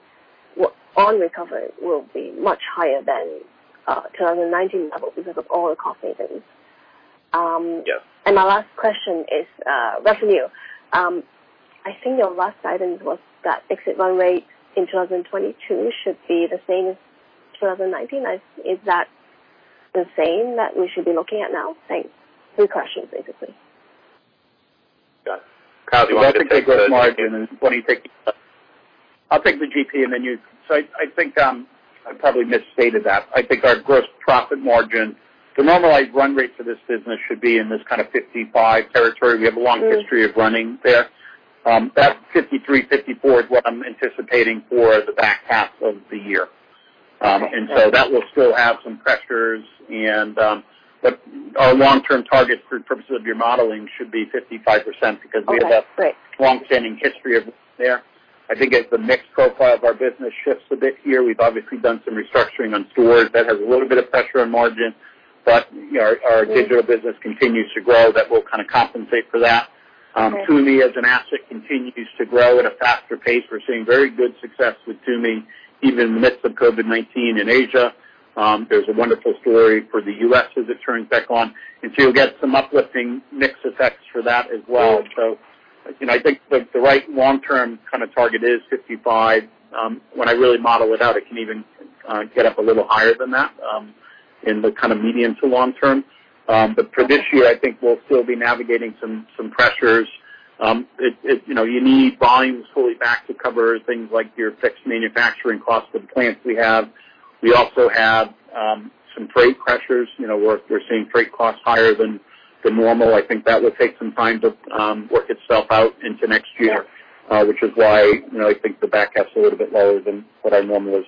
on recovery will be much higher than 2019 levels because of all the cost savings? Yeah. My last question is revenue. I think your last guidance was that exit run rate in 2022 should be the same as 2019. Is that the same that we should be looking at now? Thanks. Three questions, basically. Kyle, do you want to take the. I'll take the GP and then you. I think I probably misstated that. I think our gross profit margin, the normalized run rate for this business should be in this kind of 55% territory. We have a long history of running there. That 53%, 54% is what I'm anticipating for the back half of the year. That will still have some pressures, but our long-term target for purposes of your modeling should be 55%- Okay, great.... longstanding history of there. I think as the mix profile of our business shifts a bit here, we've obviously done some restructuring on stores that has a little bit of pressure on margin. Our digital business continues to grow. That will kind of compensate for that. TUMI, as an asset, continues to grow at a faster pace. We're seeing very good success with TUMI, even in the midst of COVID-19 in Asia. There's a wonderful story for the U.S. as it turns back on. You'll get some uplifting mix effects for that as well. I think the right long-term kind of target is 55%. When I really model it out, it can even get up a little higher than that in the kind of medium to long term. For this year, I think we'll still be navigating some pressures. You need volumes fully back to cover things like your fixed manufacturing costs of the plants we have. We also have some freight pressures. We're seeing freight costs higher than normal. I think that will take some time to work itself out into next year, which is why I think the back half is a little bit lower than what our normal is.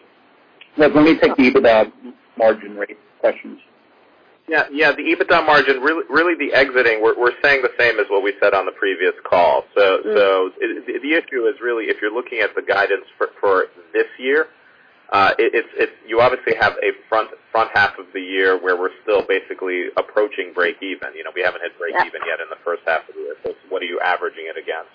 Let me take the EBITDA margin rate questions. Yeah, the EBITDA margin, really the exiting, we're saying the same as what we said on the previous call. The issue is really if you're looking at the guidance for this year, you obviously have a front half of the year where we're still basically approaching breakeven. We haven't hit breakeven yet in the first half of the year, so what are you averaging it against?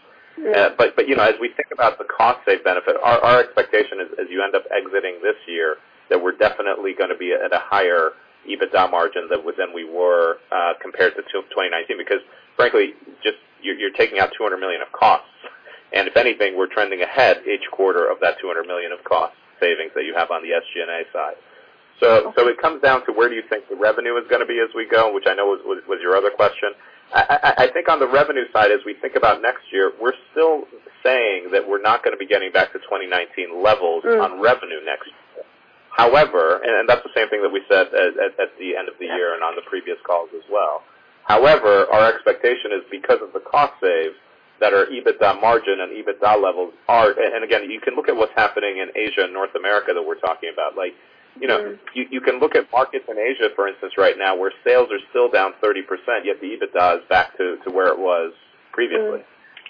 As we think about the cost save benefit, our expectation as you end up exiting this year, that we're definitely going to be at a higher EBITDA margin than we were compared to 2019, because frankly, you're taking out $200 million of costs. If anything, we're trending ahead each quarter of that $200 million of cost savings that you have on the SG&A side. It comes down to where do you think the revenue is going to be as we go, which I know was your other question. I think on the revenue side, as we think about next year, we're still saying that we're not going to be getting back to 2019 levels on revenue next year. That's the same thing that we said at the end of the year and on the previous calls as well. However, our expectation is because of the cost save, that our EBITDA margin and EBITDA levels, and again, you can look at what's happening in Asia and North America that we're talking about. You can look at markets in Asia, for instance, right now, where sales are still down 30%, yet the EBITDA is back to where it was previously.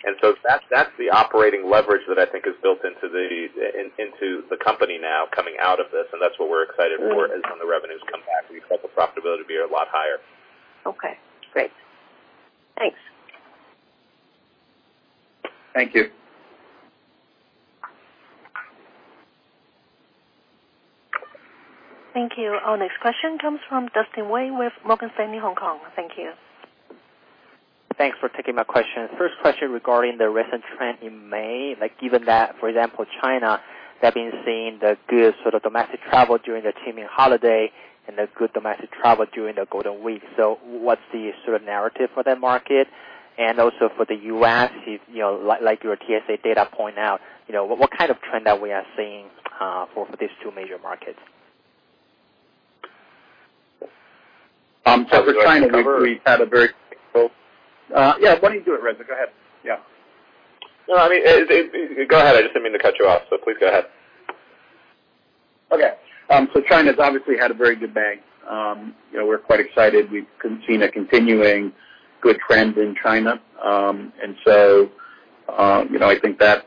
That's the operating leverage that I think is built into the company now coming out of this, and that's what we're excited for, as when the revenues come back, we expect the profitability to be a lot higher. Okay, great, thanks. Thank you. Thank you, our next question comes from Dustin Wei with Morgan Stanley, Hong Kong, thank you. Thanks for taking my question. First question regarding the recent trend in May, like given that, for example, China, having seen the good sort of domestic travel during the May holiday and the good domestic travel during the golden week. What's the sort of narrative for that market? Also, for the U.S., like your TSA data point out, what kind of trend are we seeing for these two major markets? For China, we've had a very. Yeah, why don't you do it, Reza? Go ahead, yeah. No, go ahead. I just didn't mean to cut you off, please go ahead. Okay, China's obviously had a very good May. We're quite excited, we've seen a continuing good trend in China, I think that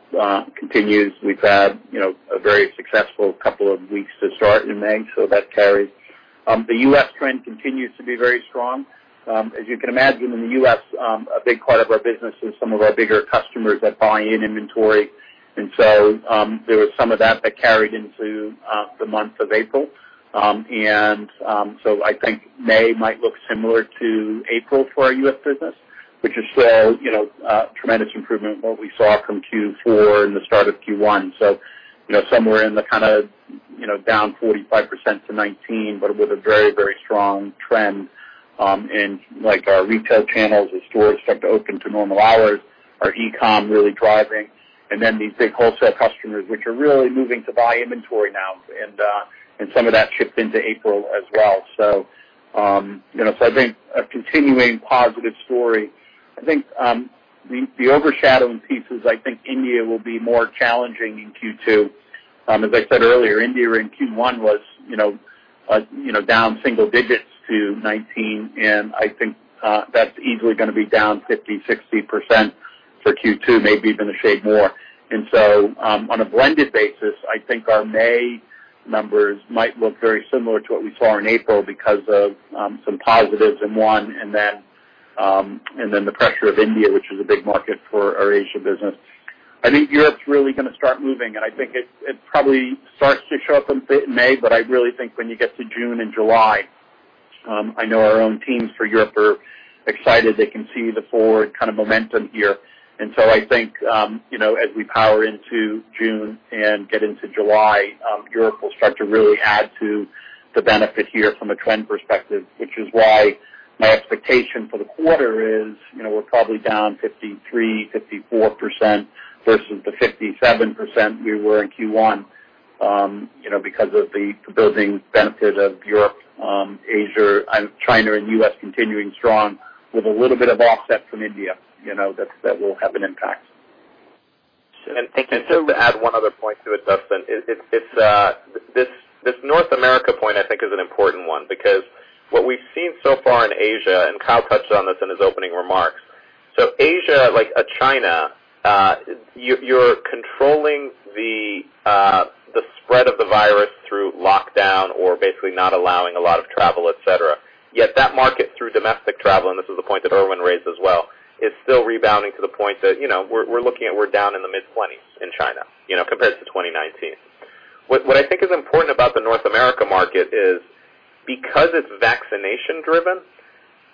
continues. We've had a very successful couple of weeks to start in May, so that carries. The U.S. trend continues to be very strong. As you can imagine, in the U.S., a big part of our business is some of our bigger customers that buy in inventory. There was some of that carried into the month of April. I think May might look similar to April for our U.S. business, which is still a tremendous improvement what we saw from Q4 and the start of Q1. Somewhere in the kind of down 45% to 2019, but with a very strong trend, in our retail channels as stores start to open to normal hours, our e-com really driving, and then these big wholesale customers, which are really moving to buy inventory now. Some of that shipped into April as well. I think a continuing positive story. I think the overshadowing piece is I think India will be more challenging in Q2. As I said earlier, India in Q1 was down single digits to 2019, and I think that's easily going to be down 50%, 60% for Q2, maybe even a shade more. On a blended basis, I think our May numbers might look very similar to what we saw in April because of some positives in one, and then the pressure of India, which is a big market for our Asia business. I think Europe's really going to start moving, and I think it probably starts to show up in May, but I really think when you get to June and July, I know our own teams for Europe are excited. They can see the forward kind of momentum here. I think as we power into June and get into July, Europe will start to really add to the benefit here from a trend perspective, which is why my expectation for the quarter is we're probably down 53%, 54% versus the 57% we were in Q1 because of the building benefit of Europe, Asia and China and U.S. continuing strong with a little bit of offset from India that will have an impact. Thank you. Just to add one other point to it, Dustin, this North America point I think is an important one because what we've seen so far in Asia, and Kyle touched on this in his opening remarks. Asia, like China, you're controlling the spread of the virus through lockdown or basically not allowing a lot of travel, et cetera. Yet that market, through domestic travel, and this is a point that Erwin raised as well, is still rebounding to the point that we're looking at we're down in the mid-20% in China compared to 2019. What I think is important about the North America market is because it's vaccination driven,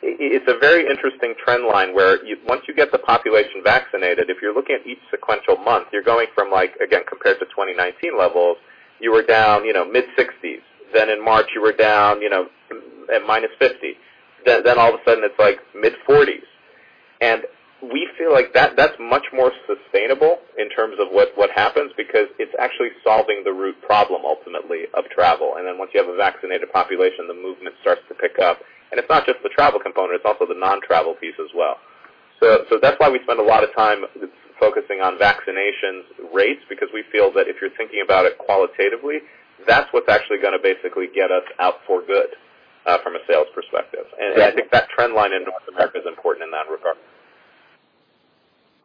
it's a very interesting trend line where once you get the population vaccinated, if you're looking at each sequential month, you're going from like, again, compared to 2019 levels, you were down mid-60%. In March you were down at -50%. All of a sudden, it's like mid-40%. We feel like that's much more sustainable in terms of what happens, because it's actually solving the root problem, ultimately, of travel. Once you have a vaccinated population, the movement starts to pick up. It's not just the travel component; it's also the non-travel piece as well. That's why we spend a lot of time focusing on vaccination rates, because we feel that if you're thinking about it qualitatively, that's what's actually going to basically get us out for good from a sales perspective. I think that trend line in North America is important in that regard.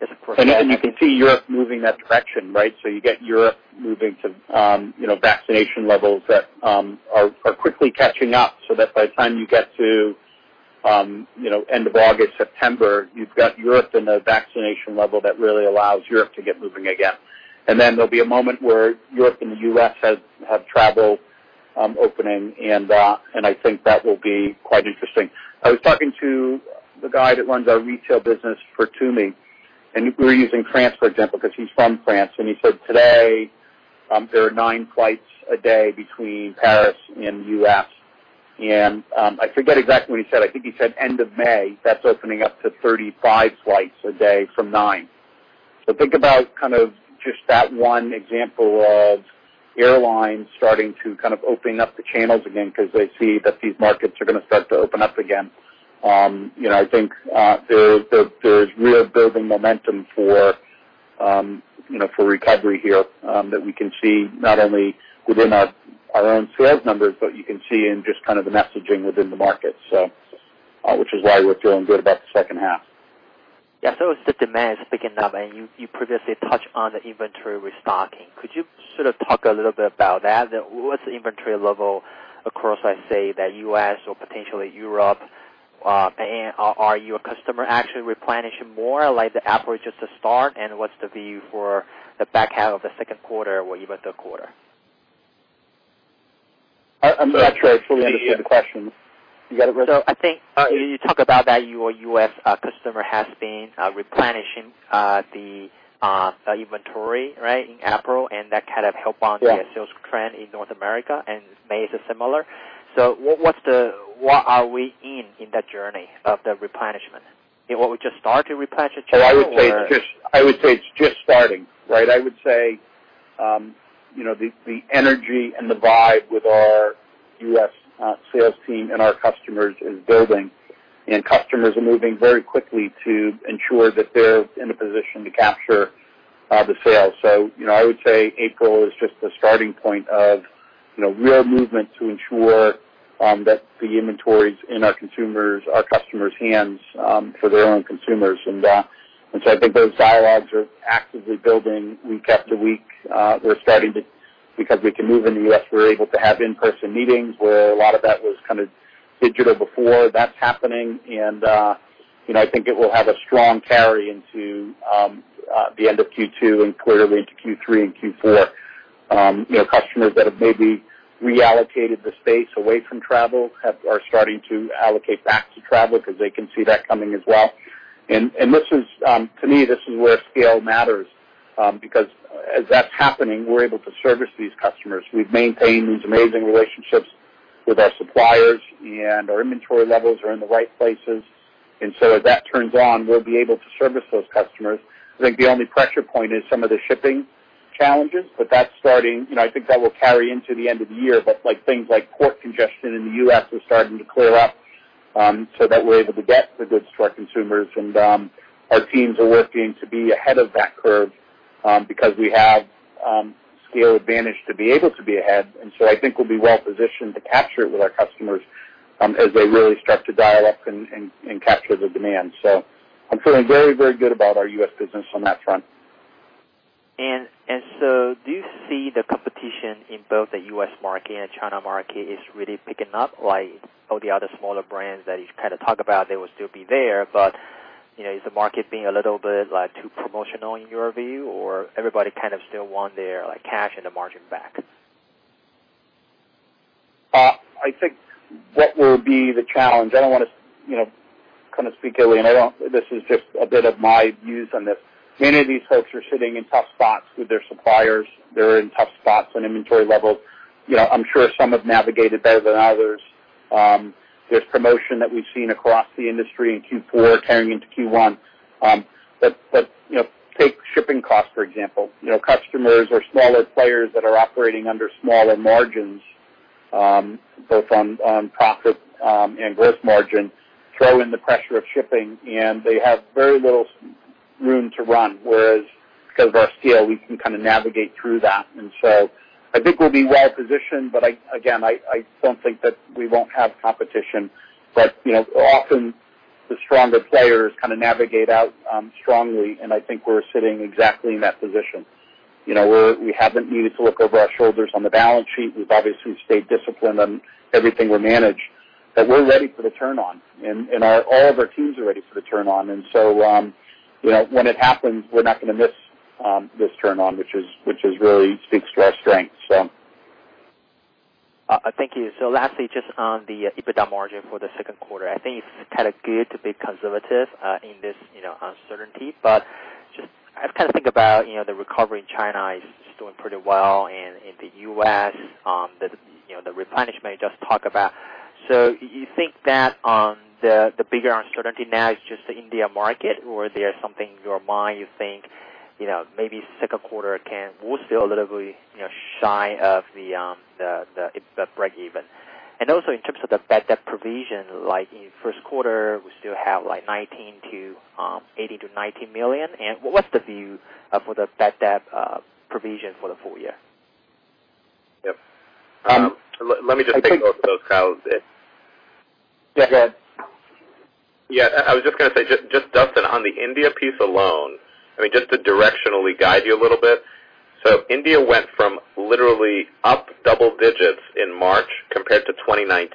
Yes, of course. You can see Europe moving in that direction, right? You get Europe moving to vaccination levels that are quickly catching up, so that by the time you get to end of August, September, you've got Europe in a vaccination level that really allows Europe to get moving again. Then there'll be a moment where Europe and the U.S. have travel opening, and I think that will be quite interesting. I was talking to the guy that runs our retail business for TUMI, and we were using France, for example, because he's from France, and he said today, there are nine flights a day between Paris and U.S. I forget exactly what he said. I think he said end of May, that's opening up to 35 flights a day from nine. Think about kind of just that one example of airlines starting to open up the channels again because they see that these markets are going to start to open up again. I think there's real building momentum for recovery here that we can see not only within our own sales numbers, but you can see in just the messaging within the market. Which is why we're feeling good about the second half. Yeah, as the demand is picking up, and you previously touched on the inventory restocking, could you sort of talk a little bit about that? What's the inventory level across, let's say, the U.S. or potentially Europe? Are your customer actually replenishing more, like the April is just a start, and what's the view for the back half of the second quarter or even third quarter? I'm sorry, I'm not sure I fully understand the question. You got it, Raze? I think you talk about that your U.S. customer has been replenishing the inventory, right, in April- Yeah.... the sales trend in North America, May is similar. Where are we in that journey of the replenishment? Were we just start to replenish it now, or? I would say it's just starting, right? I would say the energy and the vibe with our U.S. sales team and our customers is building, and customers are moving very quickly to ensure that they're in a position to capture the sale. I would say April is just the starting point of real movement to ensure that the inventory's in our customers' hands for their own consumers. I think those dialogues are actively building week after week. We're starting to, because we can move in the U.S., we're able to have in-person meetings where a lot of that was kind of digital before. That's happening, and I think it will have a strong carry into the end of Q2 and clearly into Q3 and Q4. Customers that have maybe reallocated the space away from travel are starting to allocate back to travel because they can see that coming as well. To me, this is where scale matters, because as that is happening, we are able to service these customers. We have maintained these amazing relationships with our suppliers, and our inventory levels are in the right places. As that turns on, we will be able to service those customers. I think the only pressure point is some of the shipping challenges, but I think that will carry into the end of the year. Things like port congestion in the U.S. are starting to clear up, so that we are able to get the goods to our consumers. Our teams are working to be ahead of that curve, because we have scale advantage to be able to be ahead. I think we'll be well positioned to capture it with our customers as they really start to dial up and capture the demand. I'm feeling very, very good about our U.S. business on that front. Do you see the competition in both the U.S. market and China market is really picking up, like all the other smaller brands that you kind of talk about, they will still be there, but is the market being a little bit too promotional in your view? Everybody kind of still want their cash and the margin back? I think what will be the challenge, I don't want to kind of speak ill, and this is just a bit of my views on this. Many of these folks are sitting in tough spots with their suppliers. They're in tough spots on inventory levels. I'm sure some have navigated better than others. There's promotion that we've seen across the industry in Q4 carrying into Q1. Take shipping costs, for example. Customers or smaller players that are operating under smaller margins, both on profit and gross margin, throw in the pressure of shipping, and they have very little room to run. Whereas because of our scale, we can kind of navigate through that. I think we'll be well positioned, but again, I don't think that we won't have competition. Often the stronger players kind of navigate out strongly, and I think we're sitting exactly in that position. We haven't needed to look over our shoulders on the balance sheet. We've obviously stayed disciplined on everything we manage. We're ready for the turn on, and all of our teams are ready for the turn on. When it happens, we're not going to miss this turn on, which really speaks to our strength. Thank you, lastly, just on the EBITDA margin for the second quarter. I think it's kind of good to be conservative in this uncertainty, but I was thinking about the recovery in China is doing pretty well and in the U.S., the replenishment you just talked about. You think that the bigger uncertainty now is just the India market, or there's something in your mind you think maybe second quarter will still literally shy of the breakeven? Also, in terms of the bad debt provision, like in first quarter, we still have $80 million-$90 million. What's the view for the bad debt provision for the full year? Yep, let me just take both of those, Kyle. Yeah, go ahead. I was just going to say, just, Dustin, on the India piece alone, just to directionally guide you a little bit. India went from literally up double digits in March compared to 2019.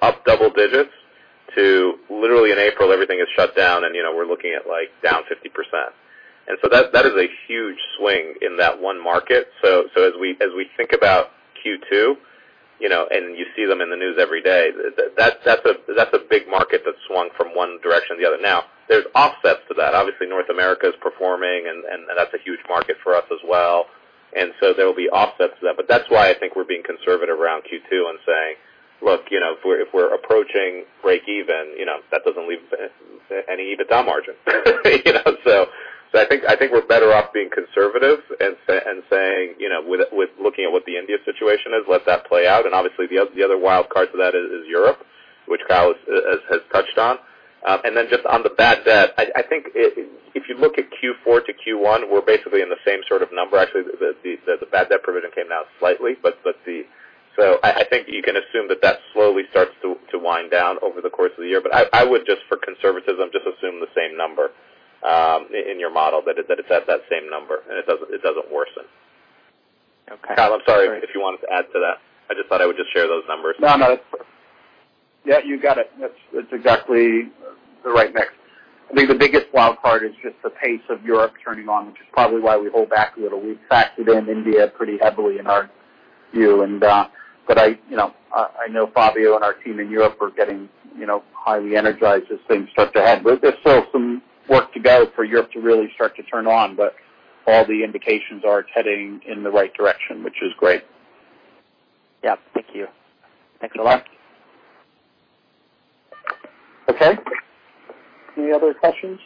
Up double digits to literally in April, everything is shut down and we're looking at down 50%. That is a huge swing in that one market. As we think about Q2, and you see them in the news every day, that's a big market that swung from one direction to the other. There's offsets to that. Obviously, North America is performing and that's a huge market for us as well, there will be offsets to that. That's why I think we're being conservative around Q2 and saying, "Look, if we're approaching break even, that doesn't leave any EBITDA margin." I think we're better off being conservative and saying, with looking at what the India situation is, let that play out, and obviously the other wild card to that is Europe, which Kyle has touched on. Just on the bad debt, I think if you look at Q4 to Q1, we're basically in the same sort of number. Actually, the bad debt provision came down slightly. I think you can assume that that slowly starts to wind down over the course of the year. I would just for conservatism, just assume the same number in your model, that it's at that same number, and it doesn't worsen. Okay. Kyle, I'm sorry if you wanted to add to that, I just thought I would just share those numbers. No, yeah, you got it, that's exactly the right mix. I think the biggest wild card is just the pace of Europe turning on, which is probably why we hold back a little. We've factored in India pretty heavily in our view, but I know Fabio and our team in Europe are getting highly energized as things start to add. There's still some work to go for Europe to really start to turn on, but all the indications are it's heading in the right direction, which is great. Yeah, thank you. Thanks a lot. Okay, any other questions?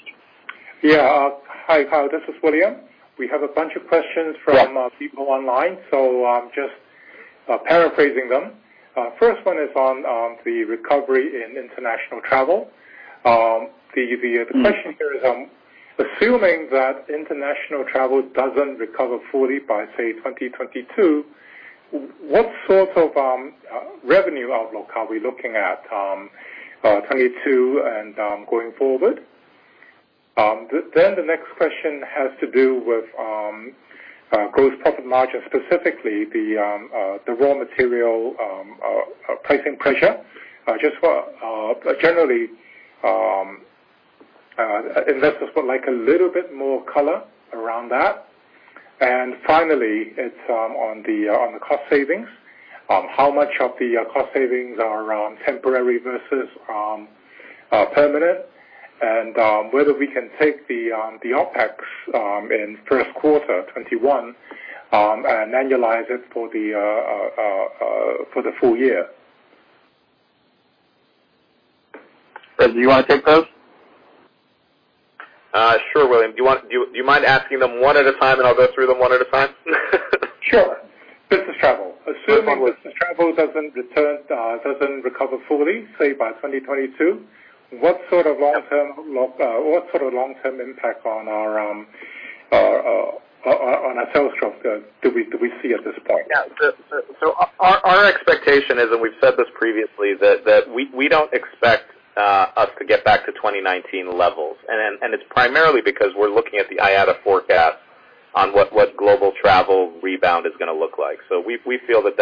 Yeah, hi, Kyle, this is William. We have a bunch of questions from- Yeah.... people online, so I'm just paraphrasing them. First one is on the recovery in international travel. The question here is assuming that international travel doesn't recover fully by, say, 2022, what sort of revenue outlook are we looking at 2022 and going forward? The next question has to do with gross profit margin, specifically the raw material pricing pressure. Just generally, unless there's a little bit more color around that. Finally, it's on the cost savings. How much of the cost savings are temporary versus permanent? Whether we can take the OpEx in first quarter 2021, and annualize it for the full year. Reza, do you want to take those? Sure, William, do you mind asking them one at a time, and I'll go through them one at a time? Sure, business travel. Assuming business travel doesn't recover fully, say, by 2022, what sort of long-term impact on our sales structure do we see at this point? Yeah, our expectation is, and we've said this previously, that we don't expect us to get back to 2019 levels. It's primarily because we're looking at the IATA forecast on what global travel rebound is going to look like. We feel that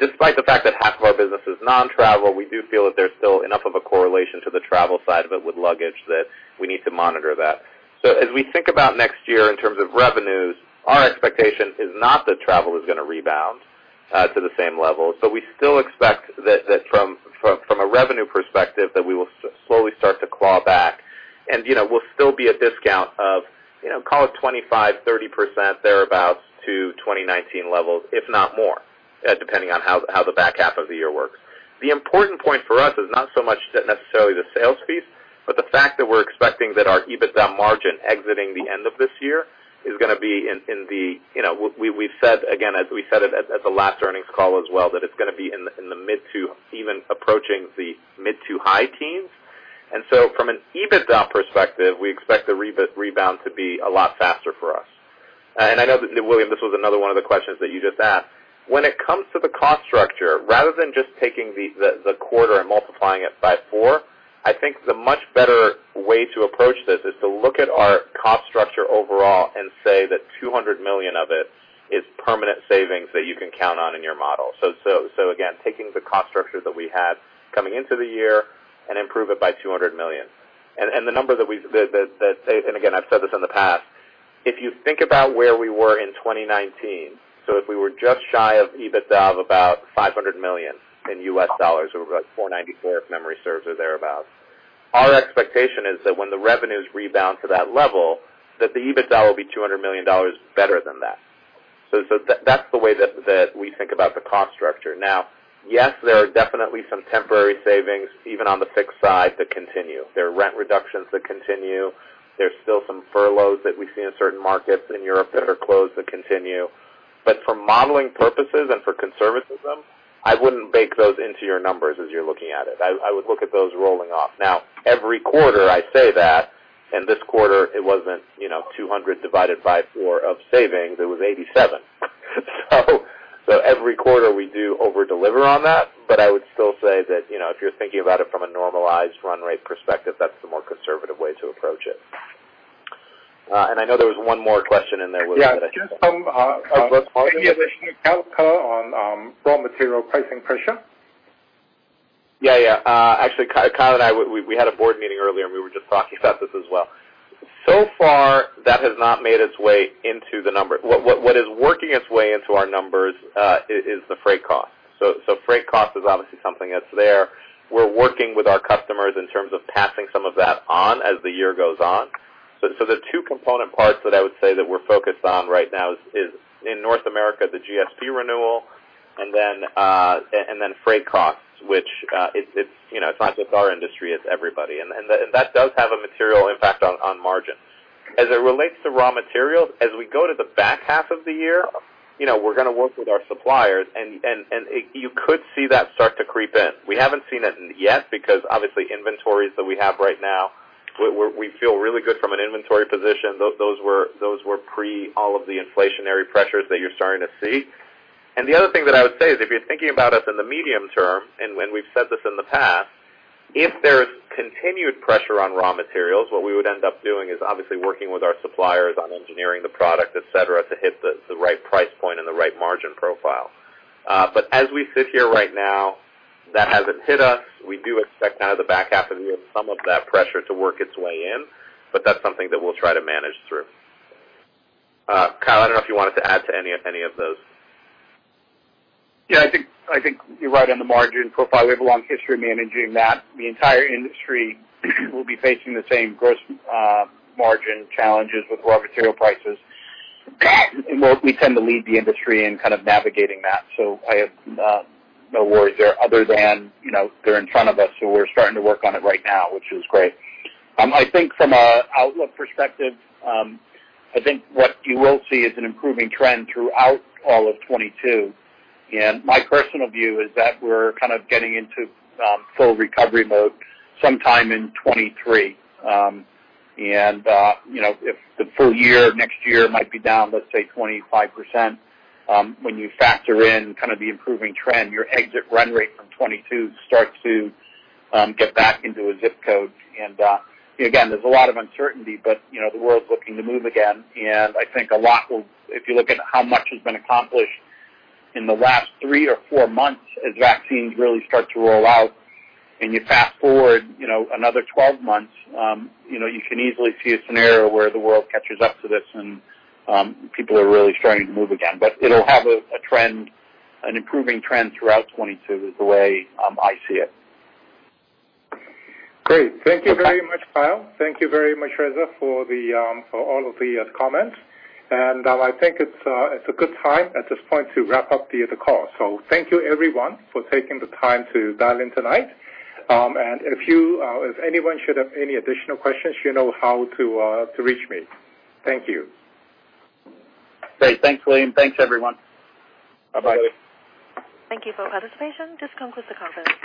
despite the fact that half of our business is non-travel, we do feel that there's still enough of a correlation to the travel side of it with luggage that we need to monitor that. As we think about next year in terms of revenues, our expectation is not that travel is going to rebound to the same level. We still expect that from a revenue perspective, that we will slowly start to claw back, and we'll still be at discount of call it 25%-30%, thereabout, to 2019 levels, if not more, depending on how the back half of the year works. The important point for us is not so much necessarily the sales piece, but the fact that we're expecting that our EBITDA margin exiting the end of this year is going to be. We've said, again, as we said it at the last earnings call as well, that it's going to be in the mid to even approaching the mid to high teens. From an EBITDA perspective, we expect the rebound to be a lot faster for us. I know that, William, this was another one of the questions that you just asked. When it comes to the cost structure, rather than just taking the quarter and multiplying it by four, I think the much better way to approach this is to look at our cost structure overall and say that $200 million of it is permanent savings that you can count on in your model. Again, taking the cost structure that we had coming into the year and improve it by $200 million. Again, I've said this in the past. If you think about where we were in 2019, if we were just shy of EBITDA of about $500 million in U.S. dollars, or about $494 million if memory serves or thereabout. Our expectation is that when the revenues rebound to that level, that the EBITDA will be $200 million better than that. That's the way that we think about the cost structure. Yes, there are definitely some temporary savings even on the fixed side that continue. There are rent reductions that continue. There's still some furloughs that we see in certain markets in Europe that are closed, that continue. For modeling purposes and for conservatism, I wouldn't bake those into your numbers as you're looking at it. I would look at those rolling off. Every quarter I say that, and this quarter it wasn't 200 divided by four of savings. It was 87. Every quarter we do over-deliver on that. I would still say that if you're thinking about it from a normalized run rate perspective, that's the more conservative way to approach it. I know there was one more question in there, William. Yeah. Gross margin? Any additional color on raw material pricing pressure? Yeah, actually, Kyle and I, we had a board meeting earlier, and we were just talking about this as well. Far, that has not made its way into the numbers. What is working its way into our numbers is the freight cost. Freight cost is obviously something that's there. We're working with our customers in terms of passing some of that on as the year goes on. The two component parts that I would say that we're focused on right now is in North America, the GSP renewal, and then freight costs, which it's not just our industry, it's everybody. That does have a material impact on margins. As it relates to raw materials, as we go to the back half of the year, we're going to work with our suppliers, and you could see that start to creep in. We haven't seen it yet because obviously inventories that we have right now, we feel really good from an inventory position. Those were pre all of the inflationary pressures that you're starting to see. The other thing that I would say is if you're thinking about us in the medium term, and we've said this in the past, if there's continued pressure on raw materials, what we would end up doing is obviously working with our suppliers on engineering the product, et cetera, to hit the right price point and the right margin profile. As we sit here right now, that hasn't hit us. We do expect now to the back half of the year some of that pressure to work its way in, but that's something that we'll try to manage through. Kyle, I don't know if you wanted to add to any of those. Yeah, I think you're right on the margin profile. We have a long history of managing that. The entire industry will be facing the same gross margin challenges with raw material prices. We tend to lead the industry in kind of navigating that, so I have no worries there other than they're in front of us, so we're starting to work on it right now, which is great. I think from an outlook perspective, I think what you will see is an improving trend throughout all of 2022. My personal view is that we're kind of getting into full recovery mode sometime in 2023. If the full year next year might be down, let's say 25%, when you factor in kind of the improving trend, your exit run rate from 2022 starts to get back into a ZIP code. Again, there's a lot of uncertainty, but the world's looking to move again. If you look at how much has been accomplished in the last three or four months as vaccines really start to roll out, and you fast-forward another 12 months, you can easily see a scenario where the world catches up to this, and people are really starting to move again. It'll have an improving trend throughout 2022, is the way I see it. Great, thank you very much, Kyle. Thank you very much, Reza, for all of the comments. I think it's a good time at this point to wrap up the call. Thank you everyone for taking the time to dial in tonight. If anyone should have any additional questions, you know how to reach me. Thank you. Great, thanks, William, thanks, everyone. Bye-bye. Thank you for participation, this concludes the conference.